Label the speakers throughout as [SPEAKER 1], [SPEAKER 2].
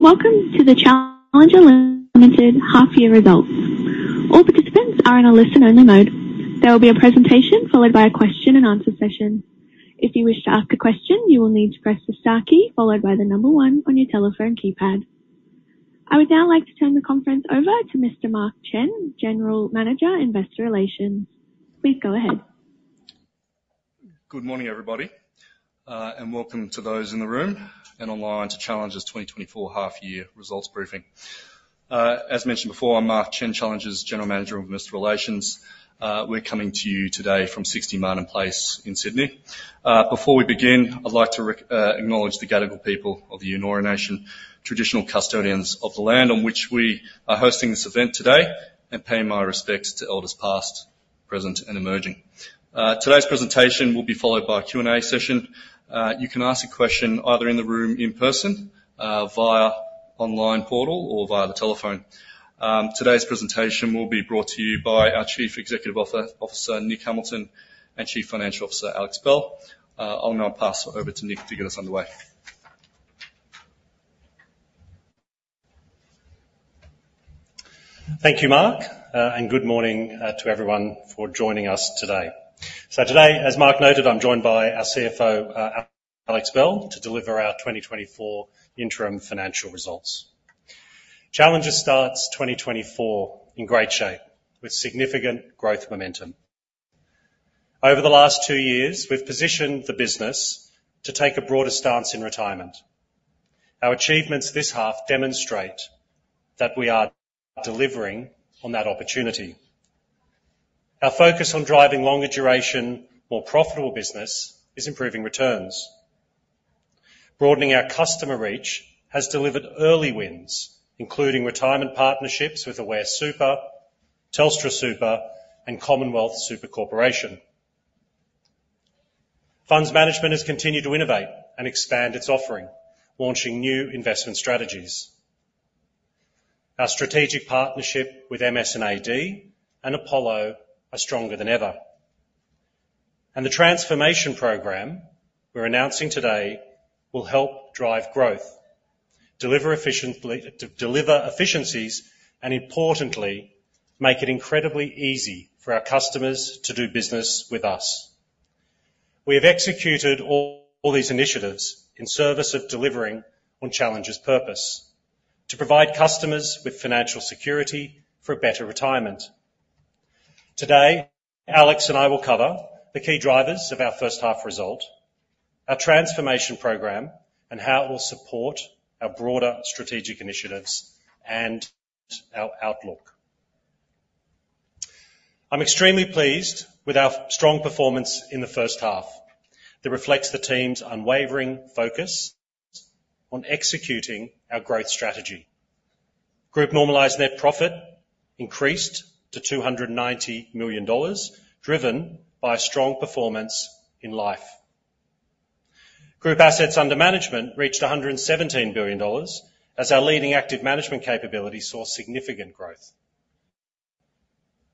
[SPEAKER 1] Welcome to the Challenger Limited half-year results. All participants are in a listen-only mode. There will be a presentation followed by a question-and-answer session. If you wish to ask a question, you will need to press the star key followed by the number one on your telephone keypad. I would now like to turn the conference over to Mr. Mark Chen, General Manager Investor Relations. Please go ahead.
[SPEAKER 2] Good morning, everybody, and welcome to those in the room and online to Challenger's 2024 half-year results briefing. As mentioned before, I'm Mark Chen, Challenger's General Manager of Investor Relations. We're coming to you today from 60 Martin Place in Sydney. Before we begin, I'd like to acknowledge the Gadigal people of the Eora Nation, traditional custodians of the land on which we are hosting this event today, and pay my respects to elders past, present, and emerging. Today's presentation will be followed by a Q&A session. You can ask a question either in the room in person via online portal or via the telephone. Today's presentation will be brought to you by our Chief Executive Officer, Nick Hamilton, and Chief Financial Officer, Alex Bell. I'll now pass over to Nick to get us underway.
[SPEAKER 3] Thank you, Mark, and good morning to everyone for joining us today. So today, as Mark noted, I'm joined by our CFO, Alex Bell, to deliver our 2024 interim financial results. Challenger starts 2024 in great shape, with significant growth momentum. Over the last two years, we've positioned the business to take a broader stance in retirement. Our achievements this half demonstrate that we are delivering on that opportunity. Our focus on driving longer-duration, more profitable business is improving returns. Broadening our customer reach has delivered early wins, including retirement partnerships with Aware Super, Telstra Super, and Commonwealth Superannuation Corporation. Funds management has continued to innovate and expand its offering, launching new investment strategies. Our strategic partnership with MS&AD and Apollo are stronger than ever. The transformation program we're announcing today will help drive growth, deliver efficiencies, and importantly, make it incredibly easy for our customers to do business with us. We have executed all these initiatives in service of delivering on Challenger's purpose, to provide customers with financial security for a better retirement. Today, Alex and I will cover the key drivers of our first-half result, our transformation program, and how it will support our broader strategic initiatives and our outlook. I'm extremely pleased with our strong performance in the first half. It reflects the team's unwavering focus on executing our growth strategy. Group normalized net profit increased to 290 million dollars, driven by strong performance in life. Group assets under management reached 117 billion dollars, as our leading active management capability saw significant growth.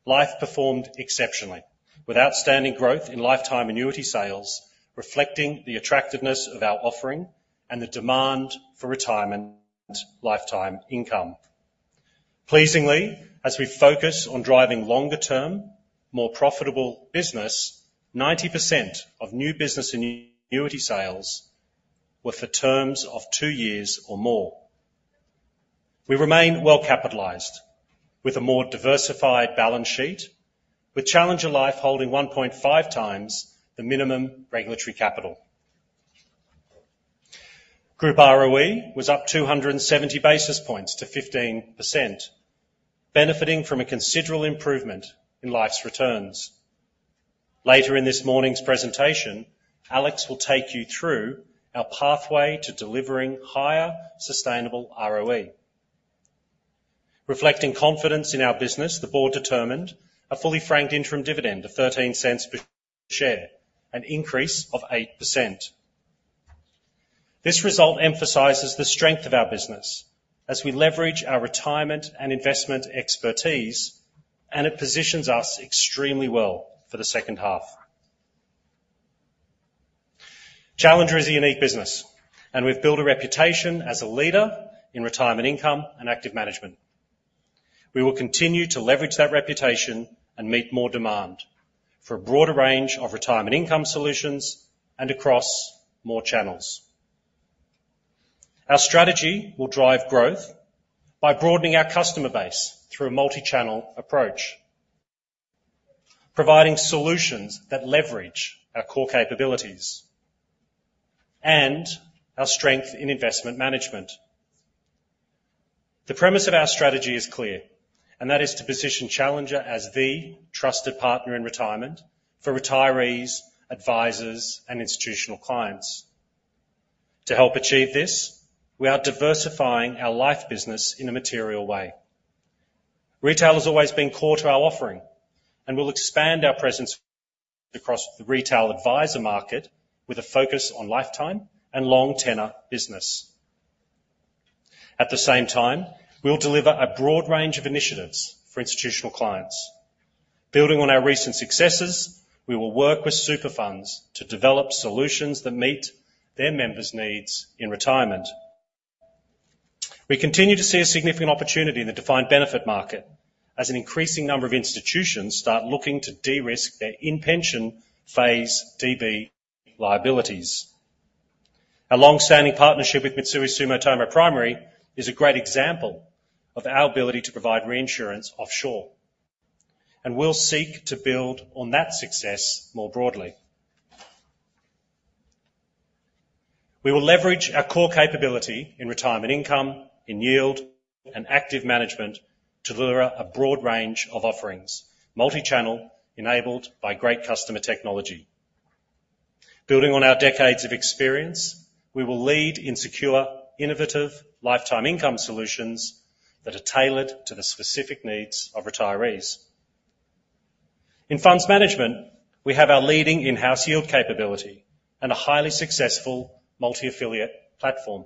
[SPEAKER 3] Life performed exceptionally, with outstanding growth in lifetime annuity sales, reflecting the attractiveness of our offering and the demand for retirement lifetime income. Pleasingly, as we focus on driving longer-term, more profitable business, 90% of new business annuity sales were for terms of two years or more. We remain well-capitalized, with a more diversified balance sheet, with Challenger Life holding 1.5x the minimum regulatory capital. Group ROE was up 270 basis points to 15%, benefiting from a considerable improvement in life's returns. Later in this morning's presentation, Alex will take you through our pathway to delivering higher, sustainable ROE. Reflecting confidence in our business, the board determined a fully-franked interim dividend of 0.13 per share, an increase of 8%. This result emphasizes the strength of our business as we leverage our retirement and investment expertise, and it positions us extremely well for the second half. Challenger is a unique business, and we've built a reputation as a leader in retirement income and active management. We will continue to leverage that reputation and meet more demand for a broader range of retirement income solutions and across more channels. Our strategy will drive growth by broadening our customer base through a multi-channel approach, providing solutions that leverage our core capabilities and our strength in investment management. The premise of our strategy is clear, and that is to position Challenger as the trusted partner in retirement for retirees, advisors, and institutional clients. To help achieve this, we are diversifying our life business in a material way. Retail has always been core to our offering, and we'll expand our presence across the retail advisor market with a focus on lifetime and long-tenure business. At the same time, we'll deliver a broad range of initiatives for institutional clients. Building on our recent successes, we will work with super funds to develop solutions that meet their members' needs in retirement. We continue to see a significant opportunity in the defined benefit market as an increasing number of institutions start looking to de-risk their in-pension phase DB liabilities. Our longstanding partnership with Mitsui Sumitomo Primary is a great example of our ability to provide reinsurance offshore, and we'll seek to build on that success more broadly. We will leverage our core capability in retirement income, in yield, and active management to deliver a broad range of offerings, multi-channel enabled by great customer technology. Building on our decades of experience, we will lead in secure, innovative lifetime income solutions that are tailored to the specific needs of retirees. In funds management, we have our leading in-house yield capability and a highly successful multi-affiliate platform.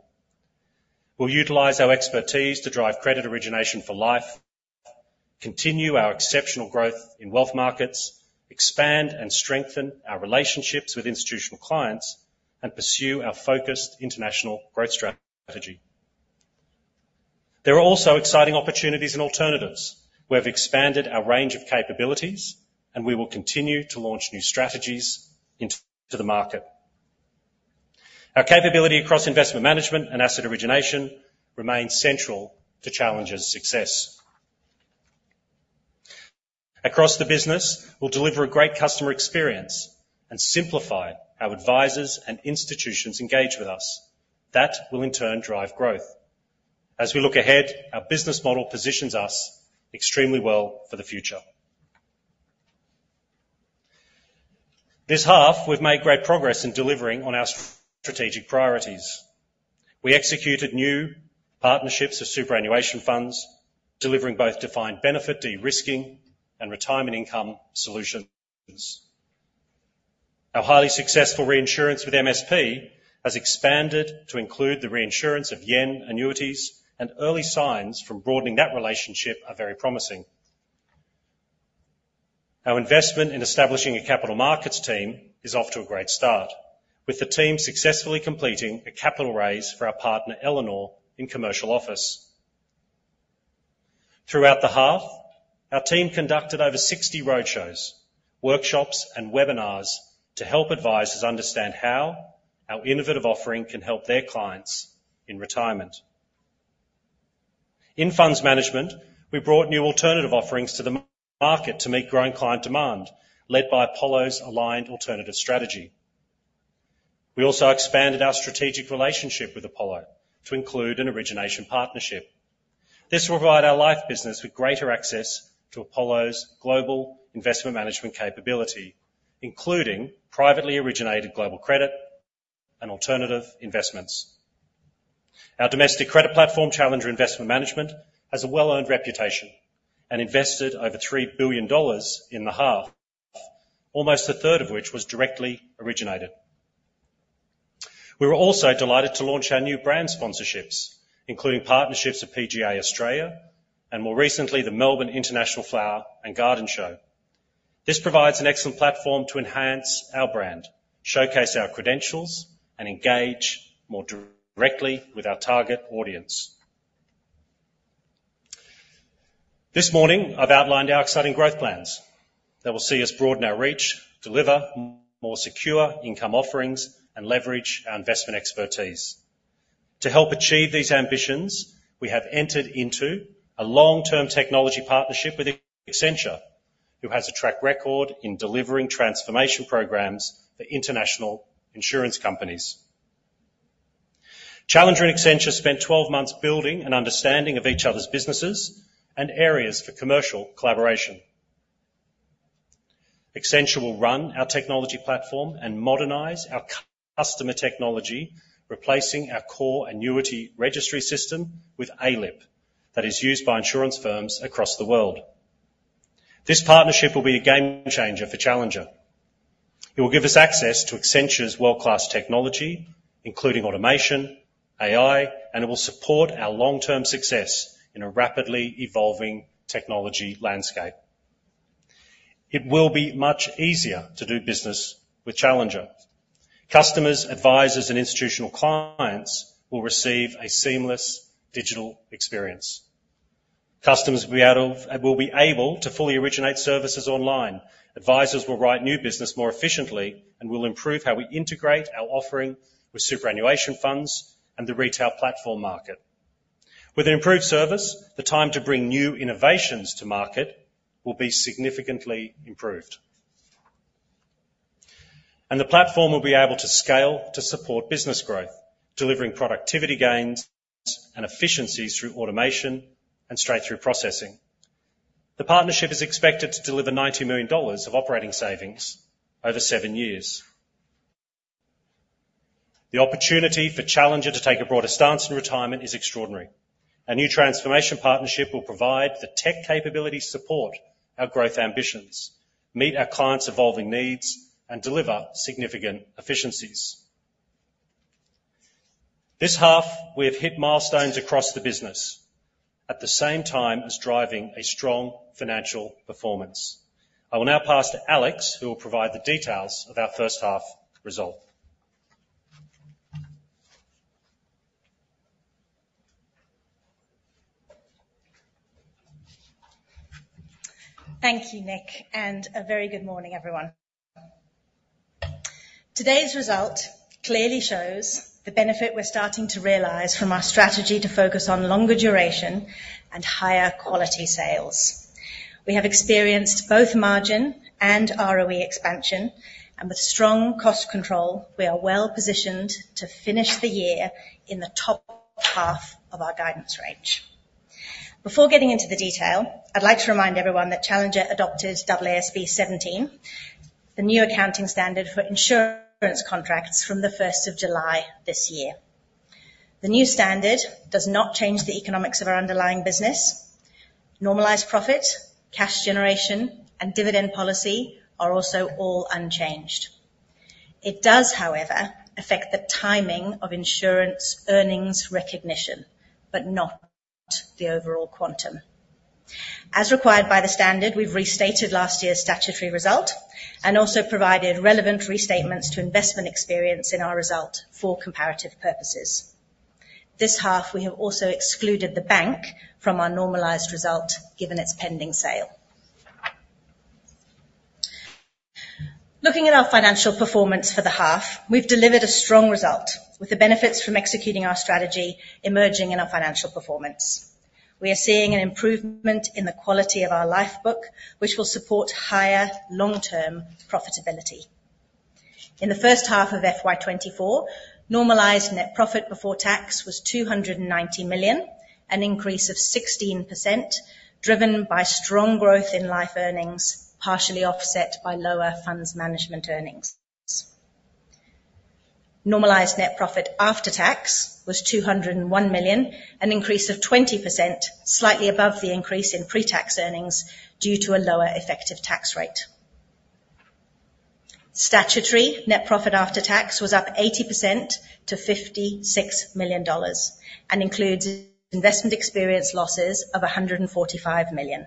[SPEAKER 3] We'll utilize our expertise to drive credit origination for life, continue our exceptional growth in wealth markets, expand and strengthen our relationships with institutional clients, and pursue our focused international growth strategy. There are also exciting opportunities and alternatives. We have expanded our range of capabilities, and we will continue to launch new strategies into the market. Our capability across investment management and asset origination remains central to Challenger's success. Across the business, we'll deliver a great customer experience and simplify how advisors and institutions engage with us. That will, in turn, drive growth. As we look ahead, our business model positions us extremely well for the future. This half, we've made great progress in delivering on our strategic priorities. We executed new partnerships of superannuation funds, delivering both defined benefit, de-risking, and retirement income solutions. Our highly successful reinsurance with MSP has expanded to include the reinsurance of yen annuities, and early signs from broadening that relationship are very promising. Our investment in establishing a capital markets team is off to a great start, with the team successfully completing a capital raise for our partner, Elanor, in commercial office. Throughout the half, our team conducted over 60 roadshows, workshops, and webinars to help advisors understand how our innovative offering can help their clients in retirement. In funds management, we brought new alternative offerings to the market to meet growing client demand, led by Apollo's aligned alternative strategy. We also expanded our strategic relationship with Apollo to include an origination partnership. This will provide our life business with greater access to Apollo's global investment management capability, including privately originated global credit and alternative investments. Our domestic credit platform, Challenger Investment Management, has a well-earned reputation and invested over 3 billion dollars in the half, almost a third of which was directly originated. We were also delighted to launch our new brand sponsorships, including partnerships with PGA Australia and, more recently, the Melbourne International Flower and Garden Show. This provides an excellent platform to enhance our brand, showcase our credentials, and engage more directly with our target audience. This morning, I've outlined our exciting growth plans that will see us broaden our reach, deliver more secure income offerings, and leverage our investment expertise. To help achieve these ambitions, we have entered into a long-term technology partnership with Accenture, who has a track record in delivering transformation programs for international insurance companies. Challenger and Accenture spent 12 months building and understanding of each other's businesses and areas for commercial collaboration. Accenture will run our technology platform and modernize our customer technology, replacing our core annuity registry system with ALIP that is used by insurance firms across the world. This partnership will be a game-changer for Challenger. It will give us access to Accenture's world-class technology, including automation, AI, and it will support our long-term success in a rapidly evolving technology landscape. It will be much easier to do business with Challenger. Customers, advisors, and institutional clients will receive a seamless digital experience. Customers will be able to fully originate services online. Advisors will write new business more efficiently and will improve how we integrate our offering with superannuation funds and the retail platform market. With an improved service, the time to bring new innovations to market will be significantly improved. The platform will be able to scale to support business growth, delivering productivity gains and efficiencies through automation and straight-through processing. The partnership is expected to deliver 90 million dollars of operating savings over seven years. The opportunity for Challenger to take a broader stance in retirement is extraordinary. Our new transformation partnership will provide the tech capability to support our growth ambitions, meet our clients' evolving needs, and deliver significant efficiencies. This half, we have hit milestones across the business at the same time as driving a strong financial performance. I will now pass to Alex, who will provide the details of our first-half result.
[SPEAKER 4] Thank you, Nick, and a very good morning, everyone. Today's result clearly shows the benefit we're starting to realize from our strategy to focus on longer duration and higher quality sales. We have experienced both margin and ROE expansion, and with strong cost control, we are well-positioned to finish the year in the top half of our guidance range. Before getting into the detail, I'd like to remind everyone that Challenger adopts AASB 17, the new accounting standard for insurance contracts from the 1st of July this year. The new standard does not change the economics of our underlying business. Normalized profit, cash generation, and dividend policy are also all unchanged. It does, however, affect the timing of insurance earnings recognition, but not the overall quantum. As required by the standard, we've restated last year's statutory result and also provided relevant restatements to investment experience in our result for comparative purposes. This half, we have also excluded the bank from our normalized result given its pending sale. Looking at our financial performance for the half, we've delivered a strong result, with the benefits from executing our strategy emerging in our financial performance. We are seeing an improvement in the quality of our life book, which will support higher, long-term profitability. In the first half of FY2024, normalized net profit before tax was 290 million, an increase of 16% driven by strong growth in life earnings, partially offset by lower funds management earnings. Normalized net profit after tax was 201 million, an increase of 20%, slightly above the increase in pre-tax earnings due to a lower effective tax rate. Statutory net profit after tax was up 80% to 56 million dollars and includes investment experience losses of 145 million.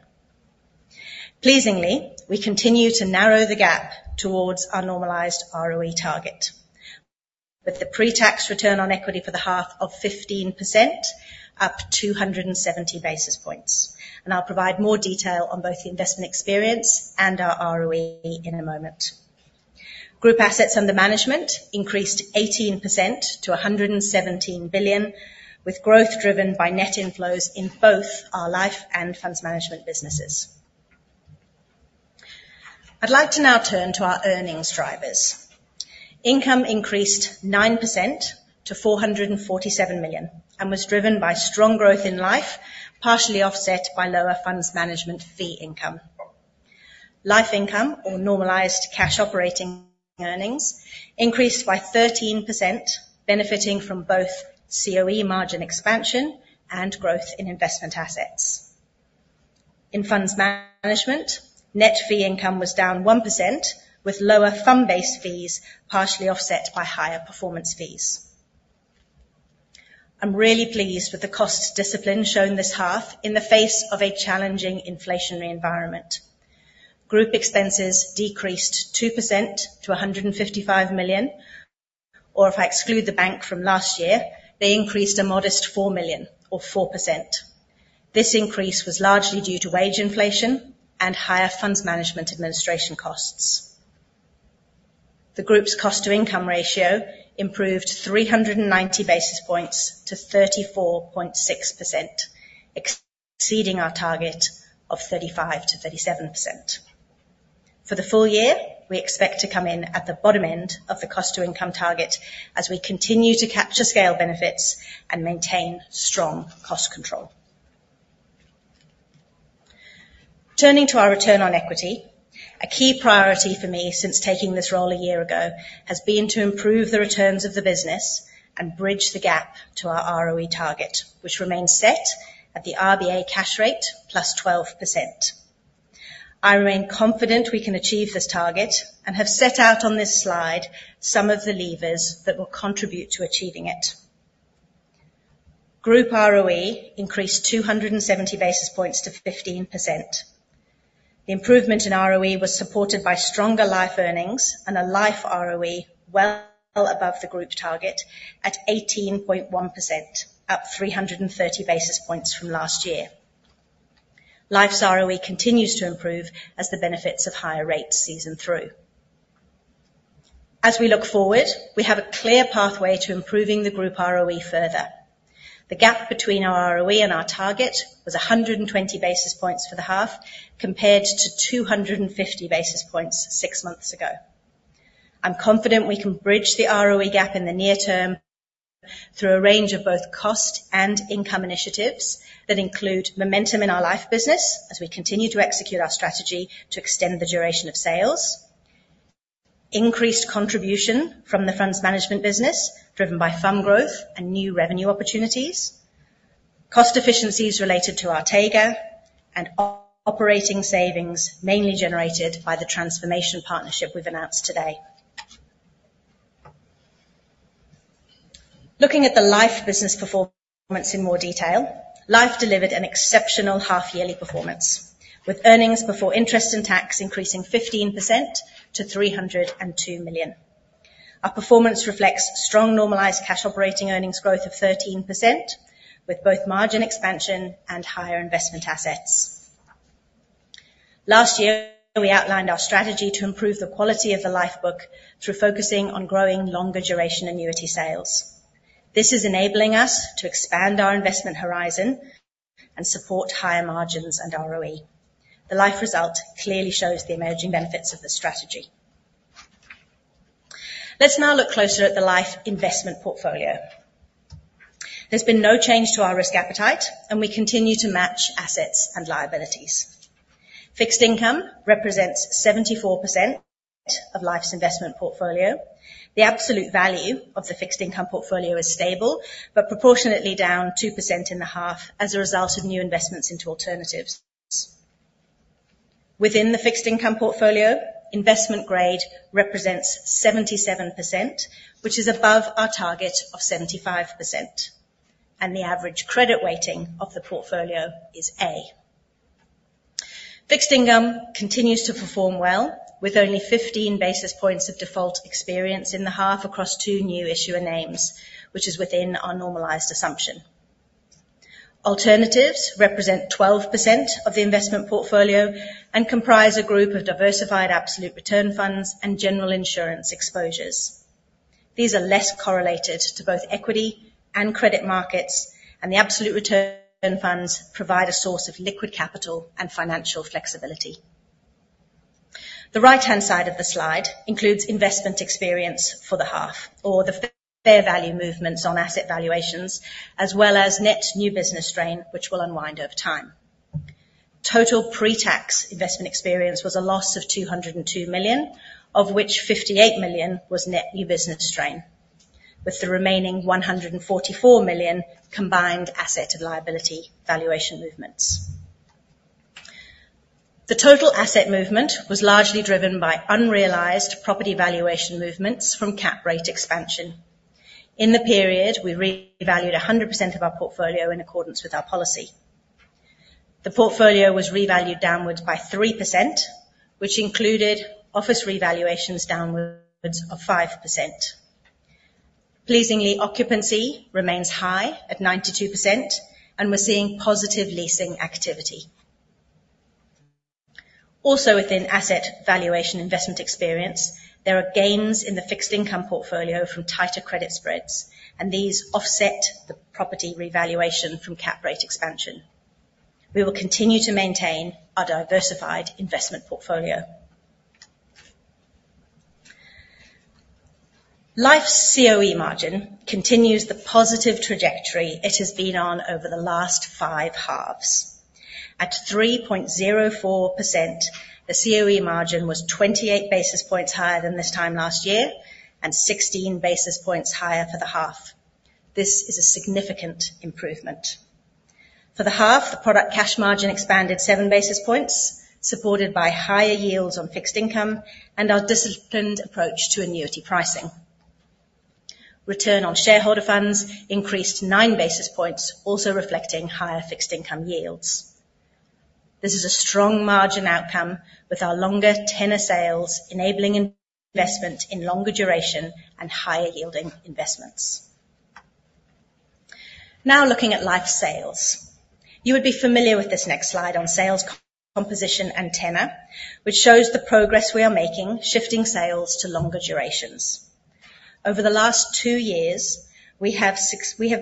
[SPEAKER 4] Pleasingly, we continue to narrow the gap towards our normalized ROE target, with the pre-tax return on equity for the half of 15%, up 270 basis points. I'll provide more detail on both the investment experience and our ROE in a moment. Group assets under management increased 18% to 117 billion, with growth driven by net inflows in both our life and funds management businesses. I'd like to now turn to our earnings drivers. Income increased 9% to 447 million and was driven by strong growth in life, partially offset by lower funds management fee income. Life income, or normalized cash operating earnings, increased by 13%, benefiting from both COE margin expansion and growth in investment assets. In funds management, net fee income was down 1%, with lower fund-based fees partially offset by higher performance fees. I'm really pleased with the cost discipline shown this half in the face of a challenging inflationary environment. Group expenses decreased 2% to 155 million, or if I exclude the bank from last year, they increased a modest 4 million, or 4%. This increase was largely due to wage inflation and higher funds management administration costs. The group's cost-to-income ratio improved 390 basis points to 34.6%, exceeding our target of 35%-37%. For the full year, we expect to come in at the bottom end of the cost-to-income target as we continue to capture scale benefits and maintain strong cost control. Turning to our return on equity, a key priority for me since taking this role a year ago has been to improve the returns of the business and bridge the gap to our ROE target, which remains set at the RBA cash rate plus 12%. I remain confident we can achieve this target and have set out on this slide some of the levers that will contribute to achieving it. Group ROE increased 270 basis points to 15%. The improvement in ROE was supported by stronger life earnings and a life ROE well above the group target at 18.1%, up 330 basis points from last year. Life's ROE continues to improve as the benefits of higher rates season through. As we look forward, we have a clear pathway to improving the group ROE further. The gap between our ROE and our target was 120 basis points for the half compared to 250 basis points six months ago. I'm confident we can bridge the ROE gap in the near term through a range of both cost and income initiatives that include momentum in our life business as we continue to execute our strategy to extend the duration of sales, increased contribution from the funds management business driven by fund growth and new revenue opportunities, cost efficiencies related to our TAGA, and operating savings mainly generated by the transformation partnership we've announced today. Looking at the life business performance in more detail, life delivered an exceptional half-yearly performance, with earnings before interest and tax increasing 15% to 302 million. Our performance reflects strong normalized cash operating earnings growth of 13%, with both margin expansion and higher investment assets. Last year, we outlined our strategy to improve the quality of the life book through focusing on growing longer duration annuity sales. This is enabling us to expand our investment horizon and support higher margins and ROE. The life result clearly shows the emerging benefits of the strategy. Let's now look closer at the life investment portfolio. There's been no change to our risk appetite, and we continue to match assets and liabilities. Fixed income represents 74% of life's investment portfolio. The absolute value of the fixed income portfolio is stable, but proportionately down 2% in the half as a result of new investments into alternatives. Within the fixed income portfolio, Investment Grade represents 77%, which is above our target of 75%, and the average credit weighting of the portfolio is A. Fixed income continues to perform well, with only 15 basis points of default experience in the half across 2 new issuer names, which is within our normalized assumption. Alternatives represent 12% of the investment portfolio and comprise a group of diversified absolute return funds and general insurance exposures. These are less correlated to both equity and credit markets, and the absolute return funds provide a source of liquid capital and financial flexibility. The right-hand side of the slide includes investment experience for the half, or the fair value movements on asset valuations, as well as net new business strain, which will unwind over time. Total pre-tax investment experience was a loss of 202 million, of which 58 million was net new business strain, with the remaining 144 million combined asset and liability valuation movements. The total asset movement was largely driven by unrealized property valuation movements from cap rate expansion. In the period, we revalued 100% of our portfolio in accordance with our policy. The portfolio was revalued downwards by 3%, which included office revaluations downwards of 5%. Pleasingly, occupancy remains high at 92%, and we're seeing positive leasing activity. Also, within asset valuation investment experience, there are gains in the fixed income portfolio from tighter credit spreads, and these offset the property revaluation from cap rate expansion. We will continue to maintain our diversified investment portfolio. Life's COE margin continues the positive trajectory it has been on over the last five halves. At 3.04%, the COE margin was 28 basis points higher than this time last year and 16 basis points higher for the half. This is a significant improvement. For the half, the product cash margin expanded 7 basis points, supported by higher yields on fixed income and our disciplined approach to annuity pricing. Return on shareholder funds increased 9 basis points, also reflecting higher fixed income yields. This is a strong margin outcome, with our longer tenor sales enabling investment in longer duration and higher-yielding investments. Now looking at life sales. You would be familiar with this next slide on sales composition and tenor, which shows the progress we are making shifting sales to longer durations. Over the last 2 years, we have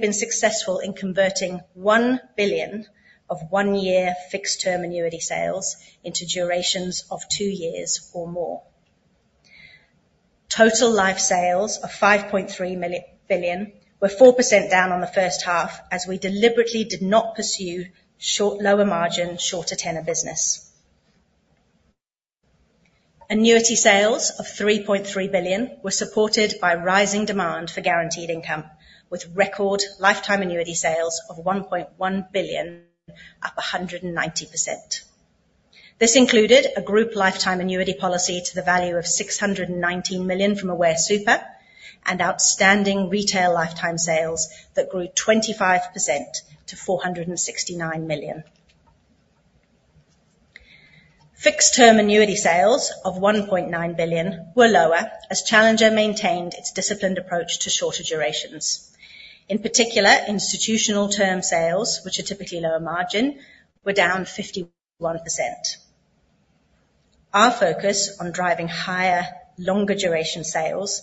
[SPEAKER 4] been successful in converting 1 billion of 1-year fixed-term annuity sales into durations of 2 years or more. Total life sales of 5.3 billion were 4% down on the first half as we deliberately did not pursue short lower margin, shorter tenor business. Annuity sales of 3.3 billion were supported by rising demand for guaranteed income, with record lifetime annuity sales of 1.1 billion, up 190%. This included a group lifetime annuity policy to the value of 619 million from Aware Super and outstanding retail lifetime sales that grew 25% to 469 million. Fixed-term annuity sales of 1.9 billion were lower as Challenger maintained its disciplined approach to shorter durations. In particular, institutional term sales, which are typically lower margin, were down 51%. Our focus on driving higher, longer duration sales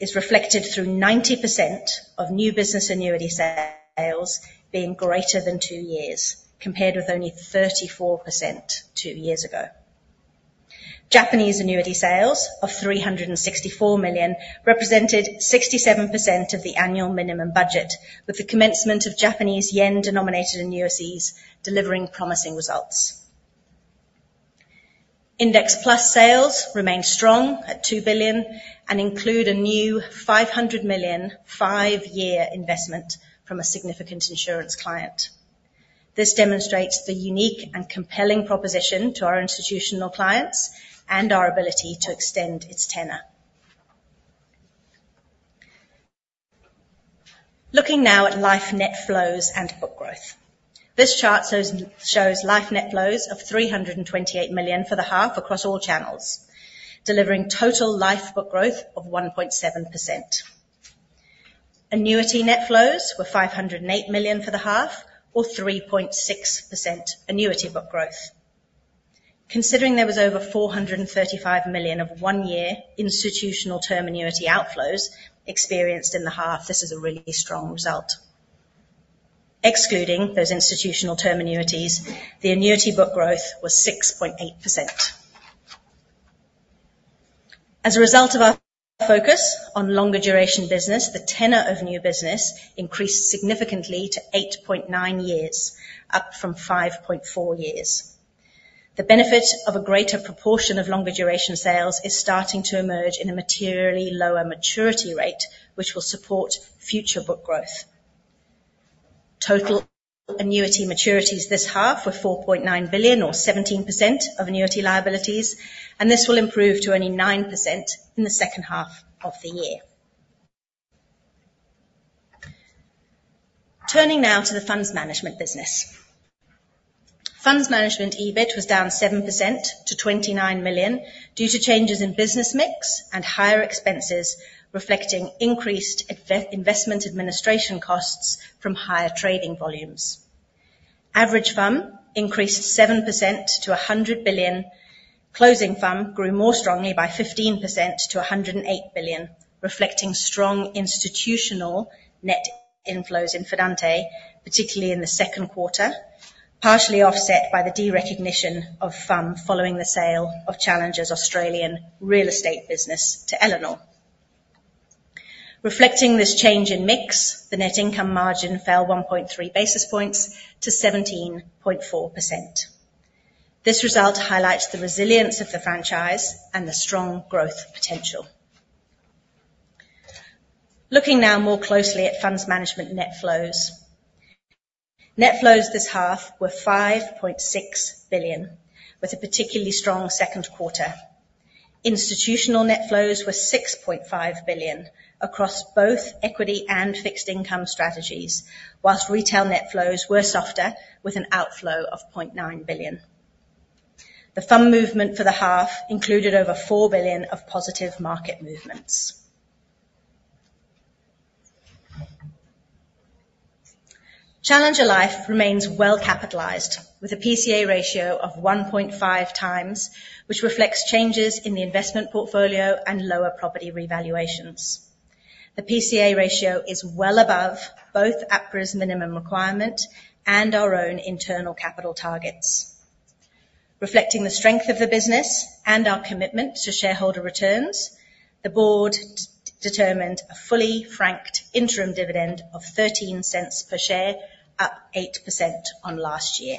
[SPEAKER 4] is reflected through 90% of new business annuity sales being greater than two years, compared with only 34% two years ago. Japanese annuity sales of 364 million represented 67% of the annual minimum budget, with the commencement of Japanese yen-denominated annuities delivering promising results. Index Plus sales remain strong at 2 billion and include a new 500 million five-year investment from a significant insurance client. This demonstrates the unique and compelling proposition to our institutional clients and our ability to extend its tenor. Looking now at life net flows and book growth. This chart shows life net flows of 328 million for the half across all channels, delivering total life book growth of 1.7%. Annuity net flows were 508 million for the half, or 3.6% annuity book growth. Considering there was over 435 million of one-year institutional term annuity outflows experienced in the half, this is a really strong result. Excluding those institutional term annuities, the annuity book growth was 6.8%. As a result of our focus on longer duration business, the tenor of new business increased significantly to 8.9 years, up from 5.4 years. The benefit of a greater proportion of longer duration sales is starting to emerge in a materially lower maturity rate, which will support future book growth. Total annuity maturities this half were 4.9 billion, or 17% of annuity liabilities, and this will improve to only 9% in the second half of the year. Turning now to the funds management business. Funds management EBIT was down 7% to 29 million due to changes in business mix and higher expenses reflecting increased investment administration costs from higher trading volumes. Average fund increased 7% to 100 billion. Closing fund grew more strongly by 15% to 108 billion, reflecting strong institutional net inflows in Fidante, particularly in the second quarter, partially offset by the derecognition of fund following the sale of Challenger's Australian real estate business to Elanor. Reflecting this change in mix, the net income margin fell 1.3 basis points to 17.4%. This result highlights the resilience of the franchise and the strong growth potential. Looking now more closely at funds management net flows. Net flows this half were 5.6 billion, with a particularly strong second quarter. Institutional net flows were 6.5 billion across both equity and fixed income strategies, while retail net flows were softer, with an outflow of 0.9 billion. The fund movement for the half included over 4 billion of positive market movements. Challenger Life remains well capitalized, with a PCA ratio of 1.5x, which reflects changes in the investment portfolio and lower property revaluations. The PCA ratio is well above both APRA's minimum requirement and our own internal capital targets. Reflecting the strength of the business and our commitment to shareholder returns, the board determined a fully franked interim dividend of 0.13 per share, up 8% on last year.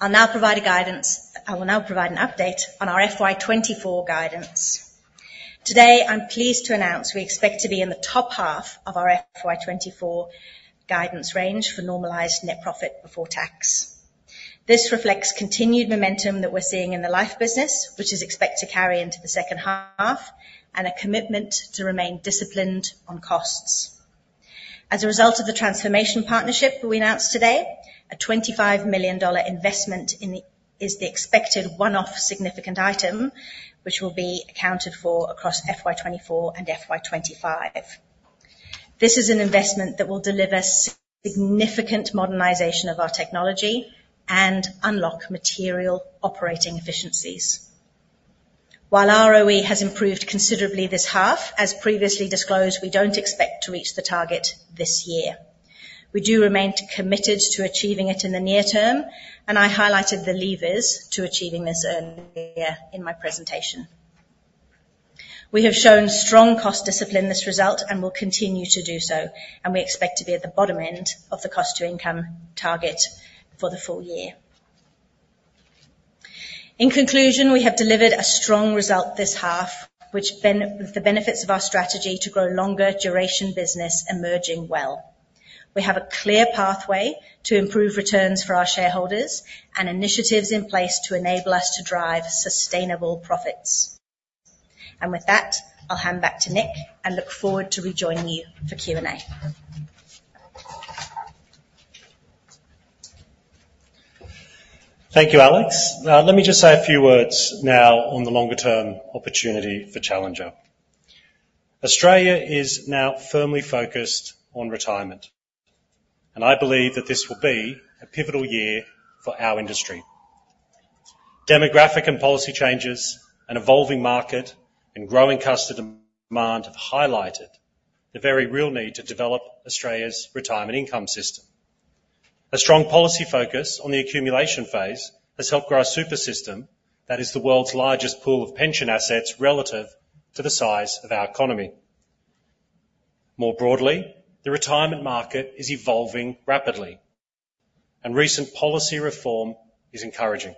[SPEAKER 4] I'll now provide a guidance I will now provide an update on our FY 2024 guidance. Today, I'm pleased to announce we expect to be in the top half of our FY 2024 guidance range for normalized net profit before tax. This reflects continued momentum that we're seeing in the life business, which is expected to carry into the second half, and a commitment to remain disciplined on costs. As a result of the transformation partnership we announced today, a 25 million dollar investment is the expected one-off significant item, which will be accounted for across FY 2024 and FY 2025. This is an investment that will deliver significant modernization of our technology and unlock material operating efficiencies. While ROE has improved considerably this half, as previously disclosed, we don't expect to reach the target this year. We do remain committed to achieving it in the near term, and I highlighted the levers to achieving this earlier in my presentation. We have shown strong cost discipline this result and will continue to do so, and we expect to be at the bottom end of the cost-to-income target for the full year. In conclusion, we have delivered a strong result this half, with the benefits of our strategy to grow longer duration business emerging well. We have a clear pathway to improve returns for our shareholders and initiatives in place to enable us to drive sustainable profits. And with that, I'll hand back to Nick and look forward to rejoining you for Q&A.
[SPEAKER 3] Thank you, Alex. Let me just say a few words now on the longer-term opportunity for Challenger. Australia is now firmly focused on retirement, and I believe that this will be a pivotal year for our industry. Demographic and policy changes, an evolving market, and growing customer demand have highlighted the very real need to develop Australia's retirement income system. A strong policy focus on the accumulation phase has helped grow a super system that is the world's largest pool of pension assets relative to the size of our economy. More broadly, the retirement market is evolving rapidly, and recent policy reform is encouraging.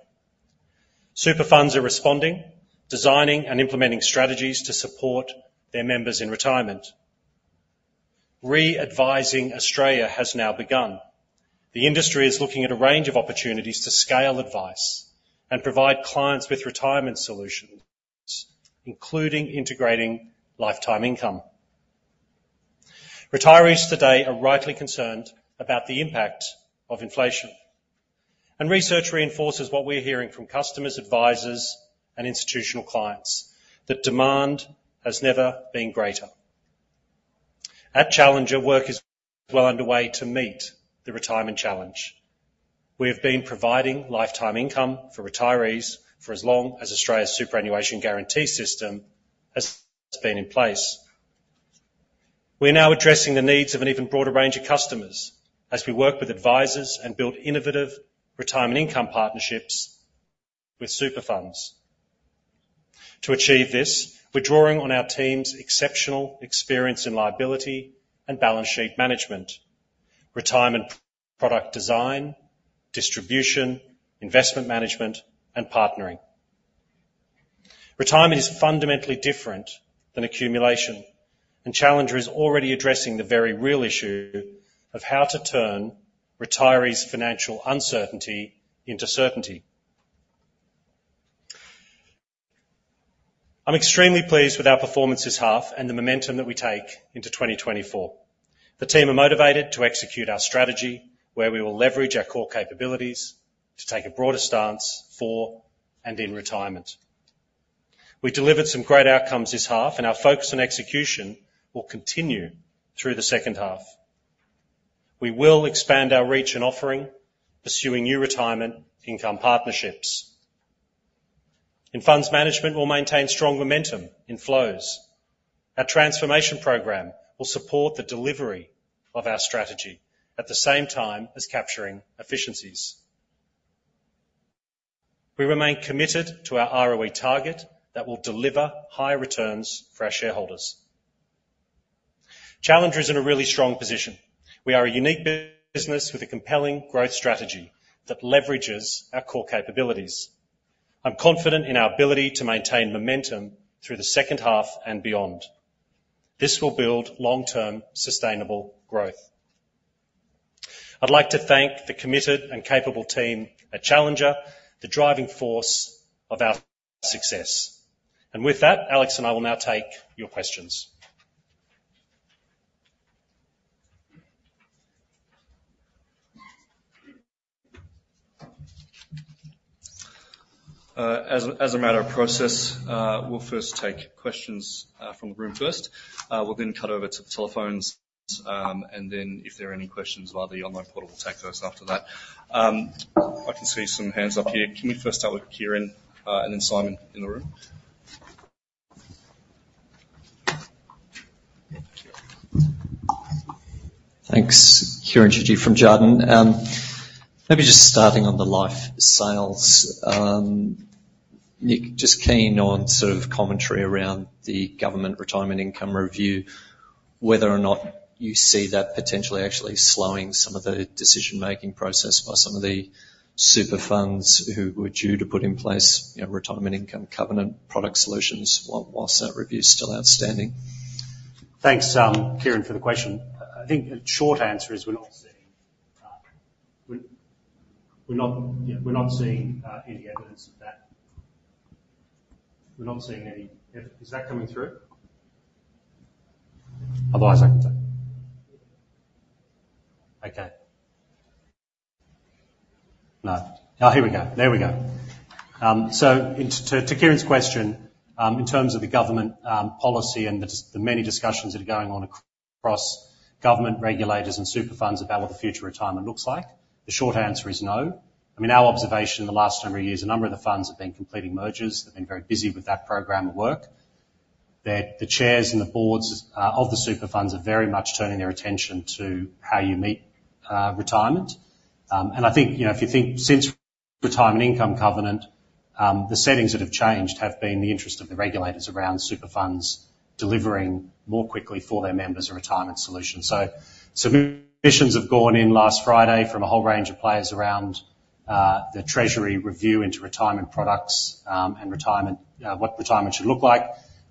[SPEAKER 3] Super funds are responding, designing and implementing strategies to support their members in retirement. Re-advising Australia has now begun. The industry is looking at a range of opportunities to scale advice and provide clients with retirement solutions, including integrating lifetime income. Retirees today are rightly concerned about the impact of inflation, and research reinforces what we're hearing from customers, advisors, and institutional clients: that demand has never been greater. At Challenger, work is well underway to meet the retirement challenge. We have been providing lifetime income for retirees for as long as Australia's Superannuation Guarantee system has been in place. We are now addressing the needs of an even broader range of customers as we work with advisors and build innovative retirement income partnerships with super funds. To achieve this, we're drawing on our team's exceptional experience in liability and balance sheet management, retirement product design, distribution, investment management, and partnering. Retirement is fundamentally different than accumulation, and Challenger is already addressing the very real issue of how to turn retirees' financial uncertainty into certainty. I'm extremely pleased with our performance this half and the momentum that we take into 2024. The team are motivated to execute our strategy, where we will leverage our core capabilities to take a broader stance for and in retirement. We delivered some great outcomes this half, and our focus on execution will continue through the second half. We will expand our reach and offering, pursuing new retirement income partnerships. In funds management, we'll maintain strong momentum in flows. Our transformation program will support the delivery of our strategy at the same time as capturing efficiencies. We remain committed to our ROE target that will deliver high returns for our shareholders. Challenger is in a really strong position. We are a unique business with a compelling growth strategy that leverages our core capabilities. I'm confident in our ability to maintain momentum through the second half and beyond. This will build long-term sustainable growth. I'd like to thank the committed and capable team at Challenger, the driving force of our success. With that, Alex and I will now take your questions. As a matter of process, we'll first take questions from the room first. We'll then cut over to the telephones, and then if there are any questions, either the online portal will take those after that. I can see some hands up here. Can we first start with Kieran and then Simon in the room?
[SPEAKER 5] Thanks, Kieran Chidgey from Jarden. Maybe just starting on the life sales. Nick, just keen on sort of commentary around the government retirement income review, whether or not you see that potentially actually slowing some of the decision-making process by some of the super funds who were due to put in place retirement income covenant product solutions whilst that review's still outstanding.
[SPEAKER 3] Thanks, Kieran, for the question. I think a short answer is we're not seeing any evidence of that. So to Kieran's question, in terms of the government policy and the many discussions that are going on across government regulators and super funds about what the future retirement looks like, the short answer is no. I mean, our observation the last number of years, a number of the funds have been completing mergers. They've been very busy with that program of work. The chairs and the boards of the super funds are very much turning their attention to how you meet retirement. I think if you think since retirement income covenant, the settings that have changed have been the interest of the regulators around super funds delivering more quickly for their members a retirement solution. So submissions have gone in last Friday from a whole range of players around the Treasury review into retirement products and what retirement should look like,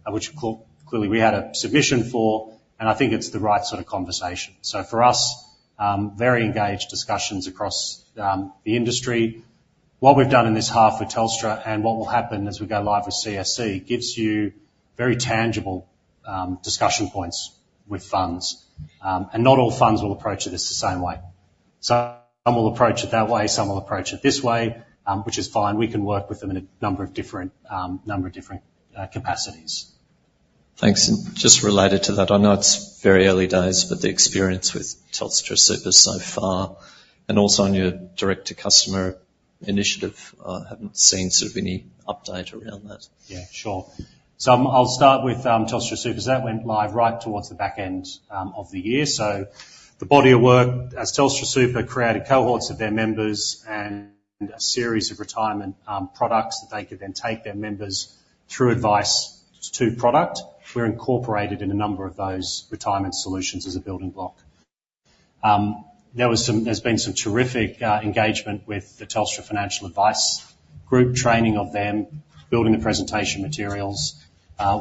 [SPEAKER 3] which clearly we had a submission for, and I think it's the right sort of conversation. So for us, very engaged discussions across the industry. What we've done in this half with Telstra and what will happen as we go live with CSC gives you very tangible discussion points with funds. And not all funds will approach it in the same way. Some will approach it that way. Some will approach it this way, which is fine. We can work with them in a number of different capacities.
[SPEAKER 5] Thanks. Just related to that, I know it's very early days, but the experience with Telstra Super so far and also on your Director Customer Initiative, I haven't seen sort of any update around that.
[SPEAKER 3] Yeah, sure. So I'll start with Telstra Super. That went live right towards the back end of the year. So the body of work, as Telstra Super created cohorts of their members and a series of retirement products that they could then take their members through advice to product, we're incorporated in a number of those retirement solutions as a building block. There's been some terrific engagement with the Telstra Financial Advice Group, training of them, building the presentation materials,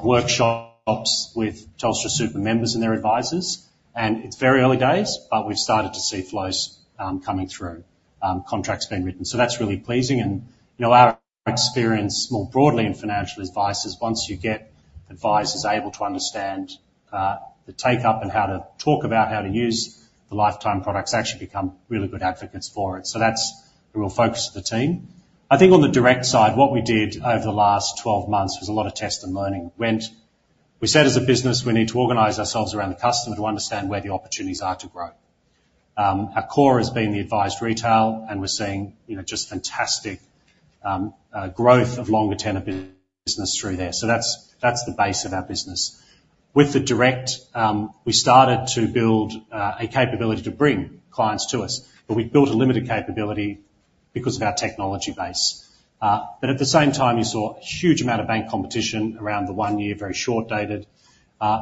[SPEAKER 3] workshops with Telstra Super members and their advisors. And it's very early days, but we've started to see flows coming through, contracts being written. So that's really pleasing. And our experience more broadly in financial advice is once you get advisors able to understand the take-up and how to talk about how to use the lifetime products, actually become really good advocates for it. So that's a real focus of the team. I think on the direct side, what we did over the last 12 months was a lot of test and learning. We said as a business, we need to organize ourselves around the customer to understand where the opportunities are to grow. Our core has been the advised retail, and we're seeing just fantastic growth of longer-term business through there. So that's the base of our business. With the direct, we started to build a capability to bring clients to us, but we built a limited capability because of our technology base. But at the same time, you saw a huge amount of bank competition around the 1 year, very short-dated.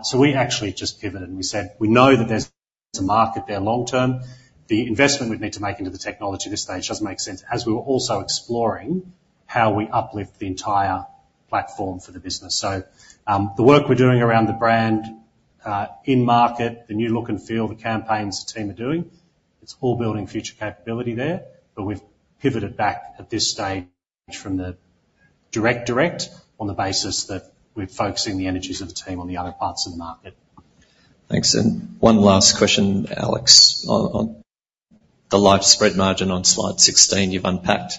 [SPEAKER 3] So we actually just pivoted, and we said we know that there's a market there long-term. The investment we'd need to make into the technology at this stage doesn't make sense, as we were also exploring how we uplift the entire platform for the business. So the work we're doing around the brand, in-market, the new look and feel, the campaigns the team are doing, it's all building future capability there. But we've pivoted back at this stage from the direct-direct on the basis that we're focusing the energies of the team on the other parts of the market.
[SPEAKER 5] Thanks. One last question, Alex, on the life spread margin on slide 16 you've unpacked.